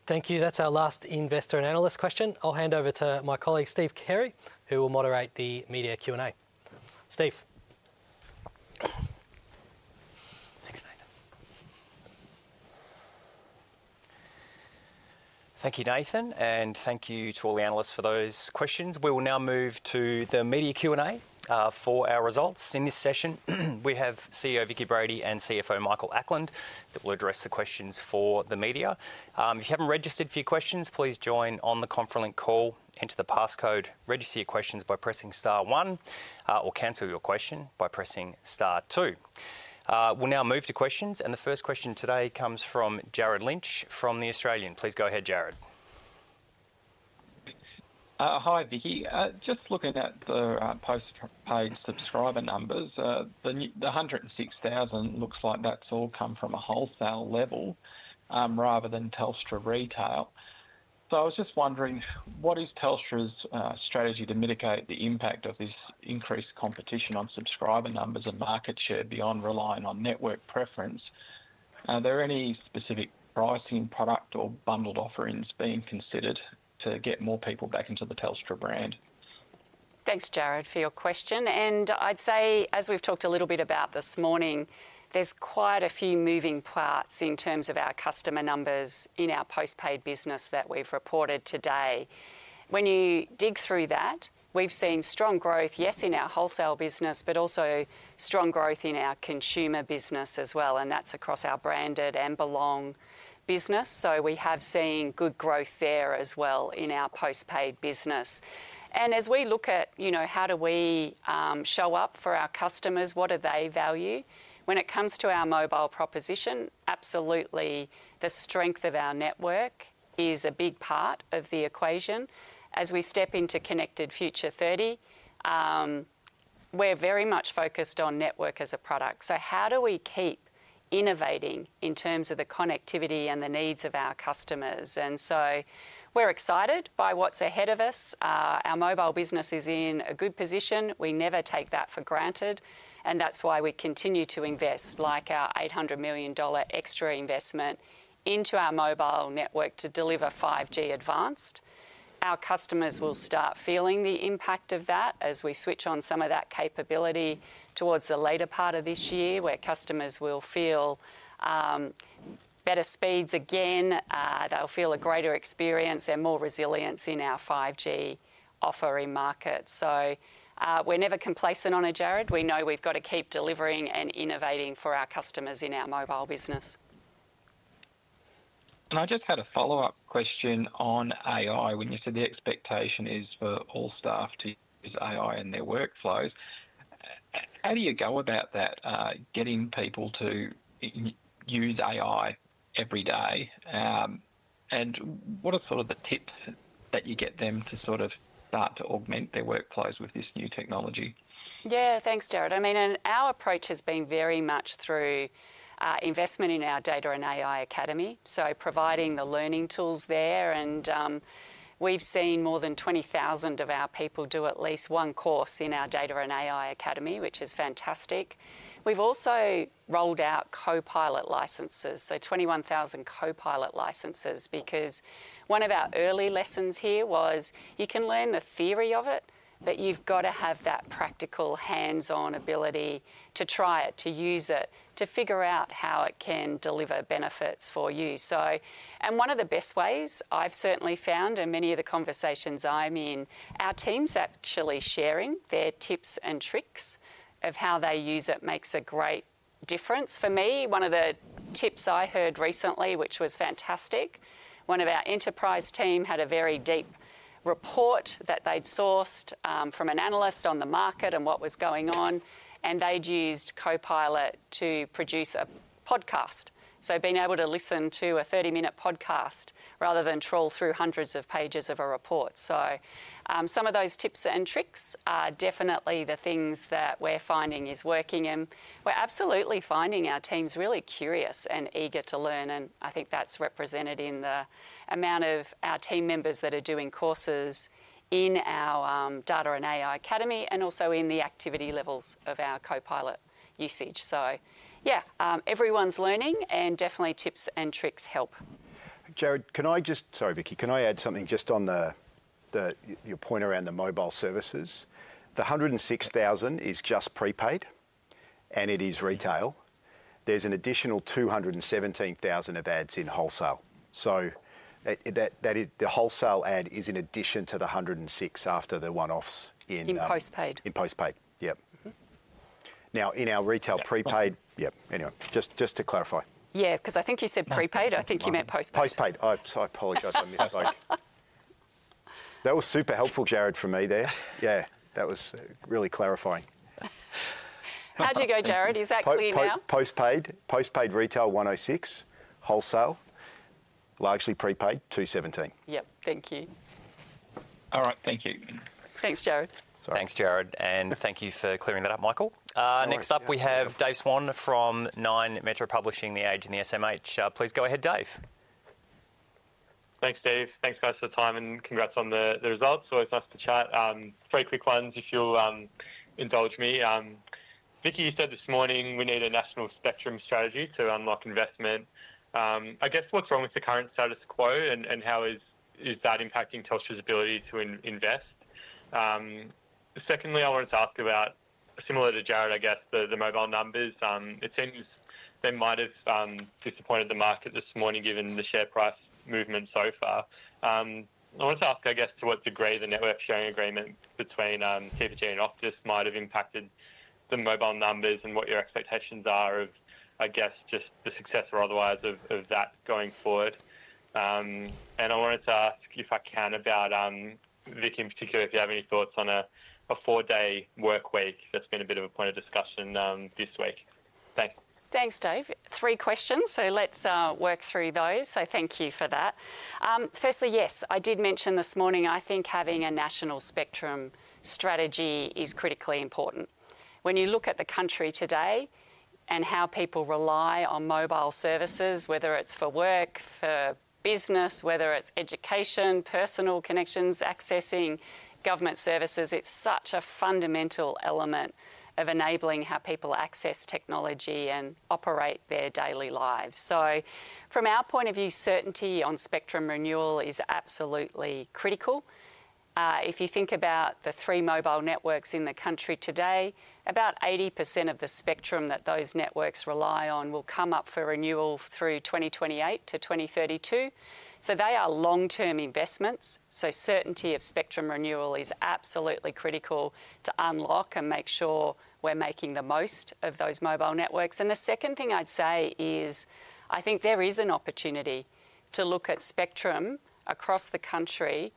Thank you. That's our last investor and analyst question. I'll hand over to my colleague, Steve Carey, who will moderate the media Q&A. Steve. Thank you, Nathan, and thank you to all the analysts for those questions. We will now move to the media Q&A for our results. In this session, we have CEO Vicki Brady and CFO Michael Ackland that will address the questions for the media. If you haven't registered for your questions, please join on the Conferlint Call. Enter the passcode, register your questions by pressing star one, or cancel your question by pressing star two. We'll now move to questions, and the first question today comes from Jared Lynch from The Australian. Please go ahead, Jared. Hi, Vicki. Just looking at the post-paid subscriber numbers, the 106,000 looks like that's all come from a wholesale level rather than Telstra retail. I was just wondering, what is Telstra's strategy to mitigate the impact of this increased competition on subscriber numbers and market share beyond relying on network preference? Are there any specific pricing, product, or bundled offerings being considered to get more people back into the Telstra brand? Thanks, Jared, for your question. As we've talked a little bit about this morning, there's quite a few moving parts in terms of our customer numbers in our postpaid business that we've reported today. When you dig through that, we've seen strong growth, yes, in our wholesale business, but also strong growth in our consumer business as well. That's across our Branded and Belong business. We have seen good growth there as well in our postpaid business. As we look at, you know, how do we show up for our customers? What do they value? When it comes to our mobile proposition, absolutely, the strength of our network is a big part of the equation. As we step into Connected Future 30, we're very much focused on network as a product. How do we keep innovating in terms of the connectivity and the needs of our customers? We're excited by what's ahead of us. Our mobile business is in a good position. We never take that for granted. That's why we continue to invest like our $800 million extra investment into our mobile network to deliver 5G advanced. Our customers will start feeling the impact of that as we switch on some of that capability towards the later part of this year where customers will feel better speeds again. They'll feel a greater experience and more resilience in our 5G offering market. We're never complacent on it, Jared. We know we've got to keep delivering and innovating for our customers in our mobile business. I just had a follow-up question on AI, which is the expectation for all staff to use AI in their workflows. How do you go about that, getting people to use AI every day? What are sort of the tips that you get them to sort of start to augment their workflows with this new technology? Yeah, thanks, Jared. I mean, our approach has been very much through investment in our Data and AI Academy. Providing the learning tools there, we've seen more than 20,000 of our people do at least one course in our Data and AI Academy, which is fantastic. We've also rolled out Copilot licenses, so 21,000 Copilot licenses, because one of our early lessons here was you can learn the theory of it, but you've got to have that practical hands-on ability to try it, to use it, to figure out how it can deliver benefits for you. One of the best ways I've certainly found in many of the conversations I'm in, our teams actually sharing their tips and tricks of how they use it makes a great difference. For me, one of the tips I heard recently, which was fantastic, one of our enterprise team had a very deep report that they'd sourced from an analyst on the market and what was going on, and they'd used Copilot to produce a podcast. Being able to listen to a 30-minute podcast rather than troll through hundreds of pages of a report. Some of those tips and tricks are definitely the things that we're finding are working. We're absolutely finding our teams really curious and eager to learn. I think that's represented in the amount of our team members that are doing courses in our Data and AI Academy and also in the activity levels of our Copilot usage. Yeah, everyone's learning and definitely tips and tricks help. Vicki, can I add something just on your point around the mobile services? The 106,000 is just prepaid and it is retail. There's an additional 217,000 of adds in wholesale. That wholesale add is in addition to the 106 after the one-offs in. In postpaid. In postpaid, yeah. In our retail prepaid, yeah, anyway, just to clarify. Yeah, because I think you said prepaid. I think you meant postpaid. Postpaid. I apologize. I missed that. That was super helpful, Jared, for me there. Yeah, that was really clarifying. How'd you go, Jared? Is that clear now? Postpaid, postpaid retail 106, wholesale, largely prepaid 217. Yep, thank you. All right, thank you. Thanks, Jared. Thanks, Jared, and thank you for clearing that up, Michael. Next up, we have Dave Swan from Nine Metro Publishing, The Age, and the SMH. Please go ahead, Dave. Thanks, Dave. Thanks for the time and congrats on the results. It's nice to chat. Very quick ones, if you'll indulge me. Vicki, you said this morning we need a national spectrum strategy to unlock investment. I guess what's wrong with the current status quo and how is that impacting Telstra's ability to invest? Secondly, I wanted to ask you about, similar to Jared, I guess, the mobile numbers. It seems they might have disappointed the market this morning given the share price movement so far. I want to ask, I guess, to what degree the network sharing agreement between CPG and Optus might have impacted the mobile numbers and what your expectations are of, I guess, just the success or otherwise of that going forward. I wanted to ask, if I can, about Vicki in particular, if you have any thoughts on a four-day work week that's been a bit of a point of discussion this week. Thanks, Dave. Three questions, so let's work through those. Thank you for that. Firstly, yes, I did mention this morning, I think having a national spectrum strategy is critically important. When you look at the country today and how people rely on mobile services, whether it's for work, for business, whether it's education, personal connections, accessing government services, it's such a fundamental element of enabling how people access technology and operate their daily lives. From our point of view, certainty on spectrum renewal is absolutely critical. If you think about the three mobile networks in the country today, about 80% of the spectrum that those networks rely on will come up for renewal through 2028 to 2032. They are long-term investments. Certainty of spectrum renewal is absolutely critical to unlock and make sure we're making the most of those mobile networks. The second thing I'd say is I think there is an opportunity to look at spectrum across the country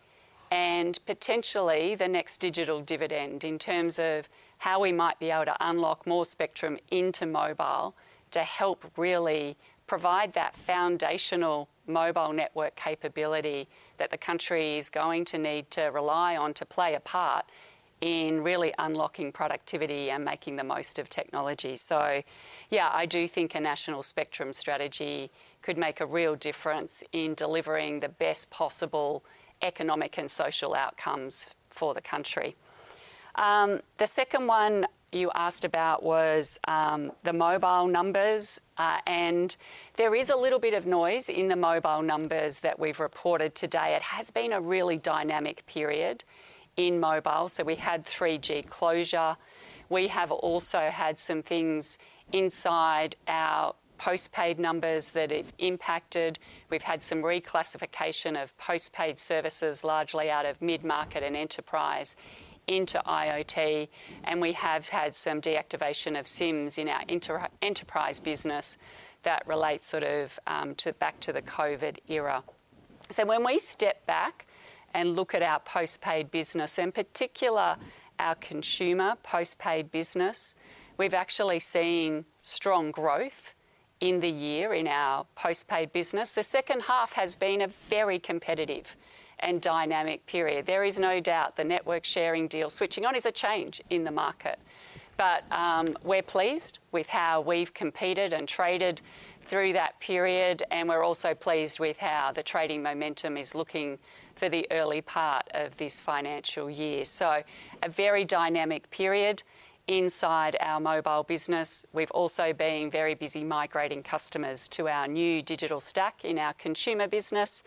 and potentially the next digital dividend in terms of how we might be able to unlock more spectrum into mobile to help really provide that foundational mobile network capability that the country is going to need to rely on to play a part in really unlocking productivity and making the most of technology. I do think a national spectrum strategy could make a real difference in delivering the best possible economic and social outcomes for the country. The second one you asked about was the mobile numbers, and there is a little bit of noise in the mobile numbers that we've reported today. It has been a really dynamic period in mobile. We had 3G closure. We have also had some things inside our postpaid numbers that have impacted. We've had some reclassification of postpaid services, largely out of mid-market and enterprise into IoT. We have had some deactivation of SIMs in our enterprise business that relate sort of back to the COVID era. When we step back and look at our postpaid business, in particular our consumer postpaid business, we've actually seen strong growth in the year in our postpaid business. The second half has been a very competitive and dynamic period. There is no doubt the network sharing deal switching on is a change in the market. We're pleased with how we've competed and traded through that period. We're also pleased with how the trading momentum is looking for the early part of this financial year. A very dynamic period inside our mobile business. We've also been very busy migrating customers to our new digital stack in our consumer business.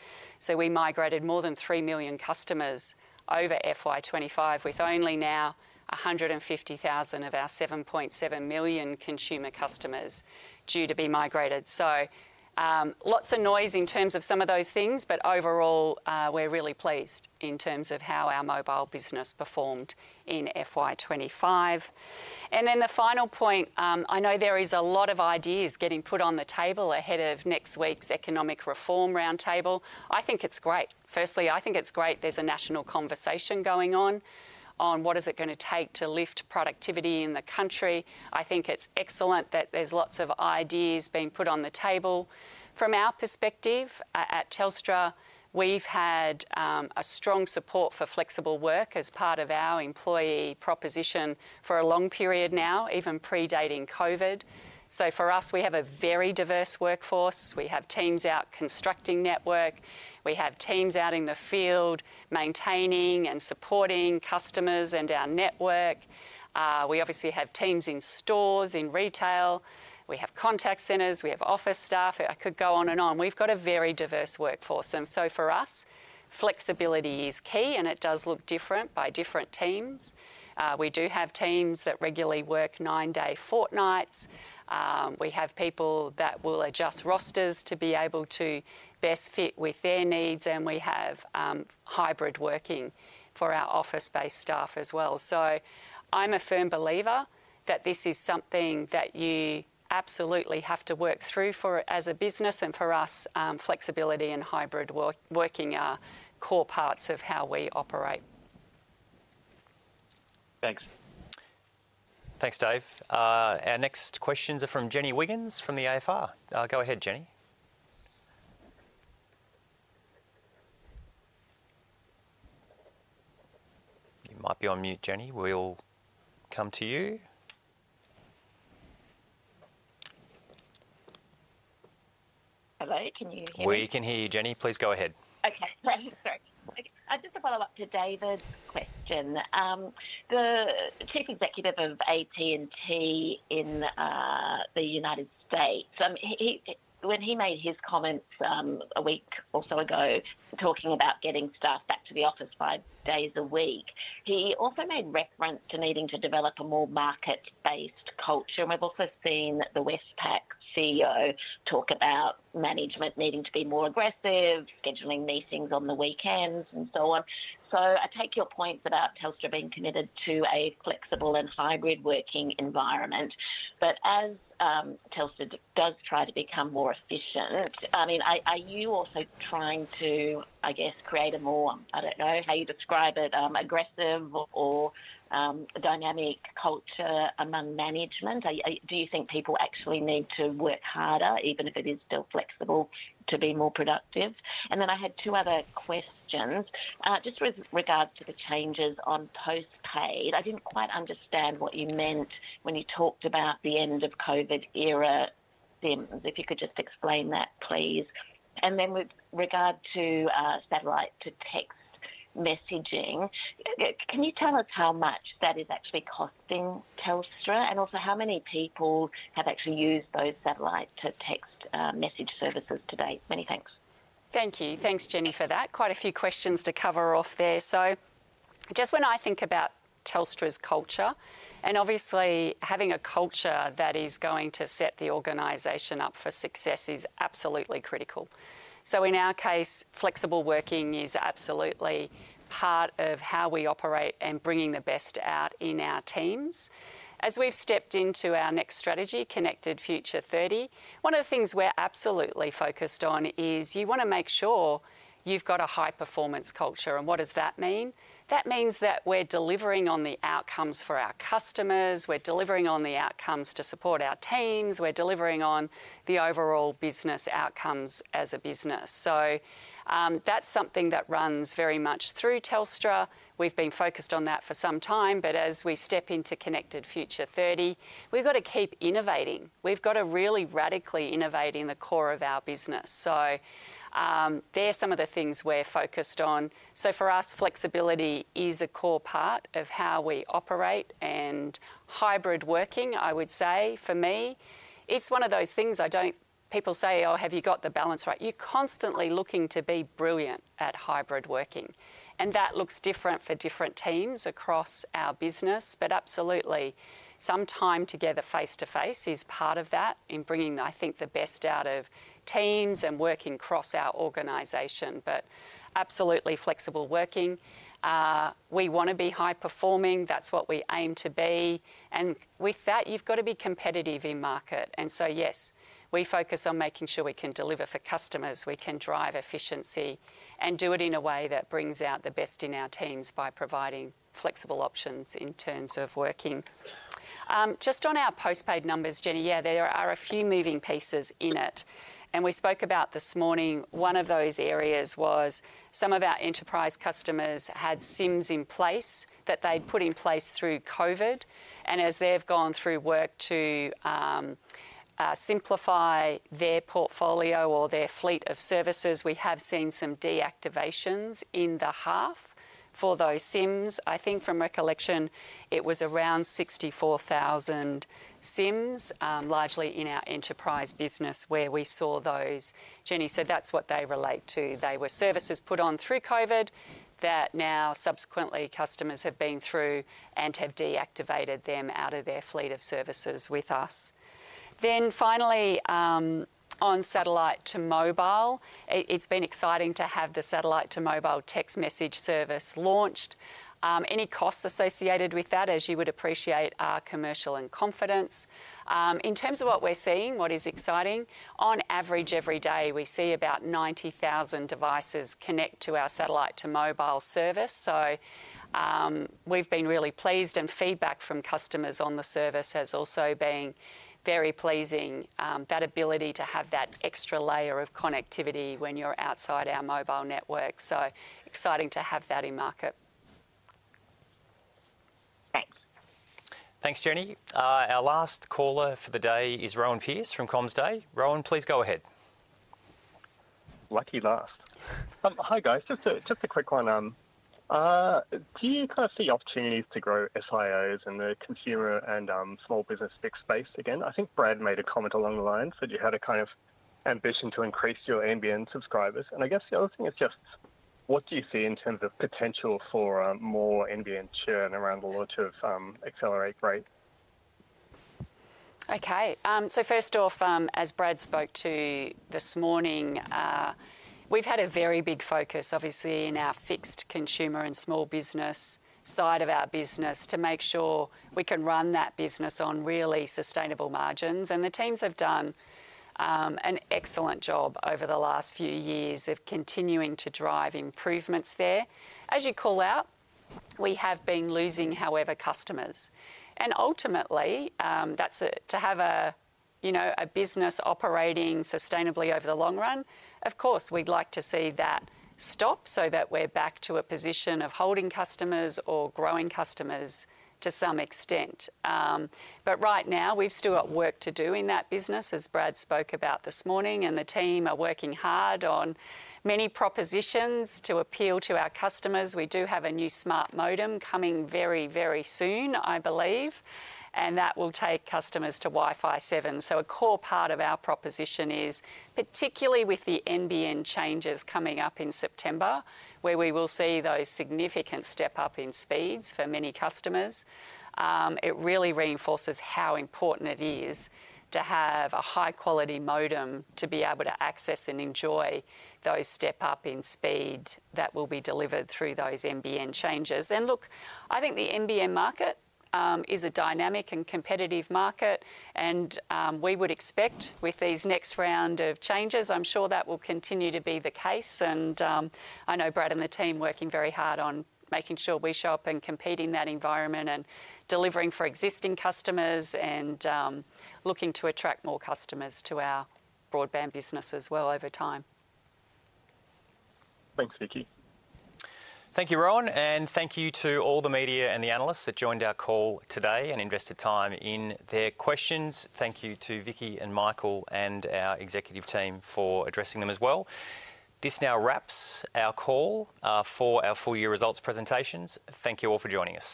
We migrated more than 3 million customers over FY 2025, with only now 150,000 of our 7.7 million consumer customers due to be migrated. Lots of noise in terms of some of those things, but overall, we're really pleased in terms of how our mobile business performed in FY 2025. The final point, I know there are a lot of ideas getting put on the table ahead of next week's economic reform roundtable. I think it's great. Firstly, I think it's great there's a national conversation going on on what is it going to take to lift productivity in the country. I think it's excellent that there's lots of ideas being put on the table. From our perspective at Telstra, we've had a strong support for flexible work as part of our employee proposition for a long period now, even predating COVID. For us, we have a very diverse workforce. We have teams out constructing network. We have teams out in the field maintaining and supporting customers and our network. We obviously have teams in stores, in retail. We have contact centers. We have office staff. I could go on and on. We've got a very diverse workforce. For us, flexibility is key, and it does look different by different teams. We do have teams that regularly work nine-day fortnights. We have people that will adjust rosters to be able to best fit with their needs. We have hybrid working for our office-based staff as well. I'm a firm believer that this is something that you absolutely have to work through for it as a business. For us, flexibility and hybrid working are core parts of how we operate. Thanks. Thanks, Dave. Our next questions are from Jenny Wiggins from the AFR. Go ahead, Jenny. You might be on mute, Jenny. We'll come to you. Hello, can you hear me? We can hear you, Jenny. Please go ahead. Okay. Sorry. I just follow up to David's question. The Chief Executive of AT&T in the United States, when he made his comments a week or so ago talking about getting staff back to the office five days a week, he also made reference to needing to develop a more market-based culture. We have also seen the Westpac CEO talk about management needing to be more aggressive, scheduling meetings on the weekends, and so on. I take your points about Telstra being committed to a flexible and hybrid working environment. As Telstra does try to become more efficient, are you also trying to, I guess, create a more, I don't know how you describe it, aggressive or a dynamic culture among management? Do you think people actually need to work harder, even if it is still flexible, to be more productive? I had two other questions. With regards to the changes on postpaid, I didn't quite understand what you meant when you talked about the end of COVID era SIMs. If you could just explain that, please. With regard to satellite-to-text messaging, can you tell us how much that is actually costing Telstra? Also, how many people have actually used those satellite-to-text message services today? Many thanks. Thank you. Thanks, Jenny, for that. Quite a few questions to cover off there. Just when I think about Telstra's culture, and obviously having a culture that is going to set the organization up for success is absolutely critical. In our case, flexible working is absolutely part of how we operate and bringing the best out in our teams. As we've stepped into our next strategy, Connected Future 30, one of the things we're absolutely focused on is you want to make sure you've got a high-performance culture. What does that mean? That means that we're delivering on the outcomes for our customers. We're delivering on the outcomes to support our teams. We're delivering on the overall business outcomes as a business. That's something that runs very much through Telstra. We've been focused on that for some time, but as we step into Connected Future 30, we've got to keep innovating. We've got to really radically innovate in the core of our business. They're some of the things we're focused on. For us, flexibility is a core part of how we operate. Hybrid working, I would say, for me, it's one of those things I don't, people say, "Oh, have you got the balance right?" You're constantly looking to be brilliant at hybrid working. That looks different for different teams across our business. Absolutely, some time together face-to-face is part of that in bringing, I think, the best out of teams and working across our organization. Absolutely flexible working. We want to be high-performing. That's what we aim to be. With that, you've got to be competitive in market. Yes, we focus on making sure we can deliver for customers, we can drive efficiency, and do it in a way that brings out the best in our teams by providing flexible options in terms of working. Just on our postpaid numbers, Jenny, yeah, there are a few moving pieces in it. We spoke about this morning, one of those areas was some of our enterprise customers had SIMs in place that they'd put in place through COVID. As they've gone through work to simplify their portfolio or their fleet of services, we have seen some deactivations in the half for those SIMs. I think from recollection, it was around 64,000 SIMs, largely in our enterprise business where we saw those. Jenny said that's what they relate to. They were services put on through COVID that now subsequently customers have been through and have deactivated them out of their fleet of services with us. On satellite to mobile, it's been exciting to have the satellite to mobile text message service launched. Any costs associated with that, as you would appreciate, are commercial and confidence. In terms of what we're seeing, what is exciting, on average, every day, we see about 90,000 devices connect to our satellite to mobile service. We've been really pleased, and feedback from customers on the service has also been very pleasing. That ability to have that extra layer of connectivity when you're outside our mobile network is exciting to have in market. Thanks. Thanks, Jenny. Our last caller for the day is Rohan Pearce from CommsDay. Rohan, please go ahead. Lucky last. Hi guys, just a quick one. Do you kind of see opportunities to grow SIOs in the consumer and small business tech space again? I think Brad made a comment along the line, said you had a kind of ambition to increase your NBN subscribers. I guess the other thing is just what do you see in terms of potential for more NBN churn around the launch of Accelerate? Okay. First off, as Brad spoke to this morning, we've had a very big focus, obviously, in our fixed consumer and small business side of our business to make sure we can run that business on really sustainable margins. The teams have done an excellent job over the last few years of continuing to drive improvements there. As you call out, we have been losing, however, customers. Ultimately, that's to have a business operating sustainably over the long run. Of course, we'd like to see that stop so that we're back to a position of holding customers or growing customers to some extent. Right now, we've still got work to do in that business, as Brad spoke about this morning, and the team are working hard on many propositions to appeal to our customers. We do have a new smart modem coming very, very soon, I believe. That will take customers to Wi-Fi 7. A core part of our proposition is particularly with the NBN changes coming up in September, where we will see those significant step-up in speeds for many customers. It really reinforces how important it is to have a high-quality modem to be able to access and enjoy those step-up in speed that will be delivered through those NBN changes. I think the NBN market is a dynamic and competitive market. We would expect with these next rounds of changes, I'm sure that will continue to be the case. I know Brad and the team are working very hard on making sure we show up and compete in that environment and delivering for existing customers and looking to attract more customers to our broadband business as well over time. Thanks, Vicki. Thank you, Rowan. Thank you to all the media and the analysts that joined our call today and invested time in their questions. Thank you to Vicki and Michael and our executive team for addressing them as well. This now wraps our call for our full-year results presentations. Thank you all for joining us.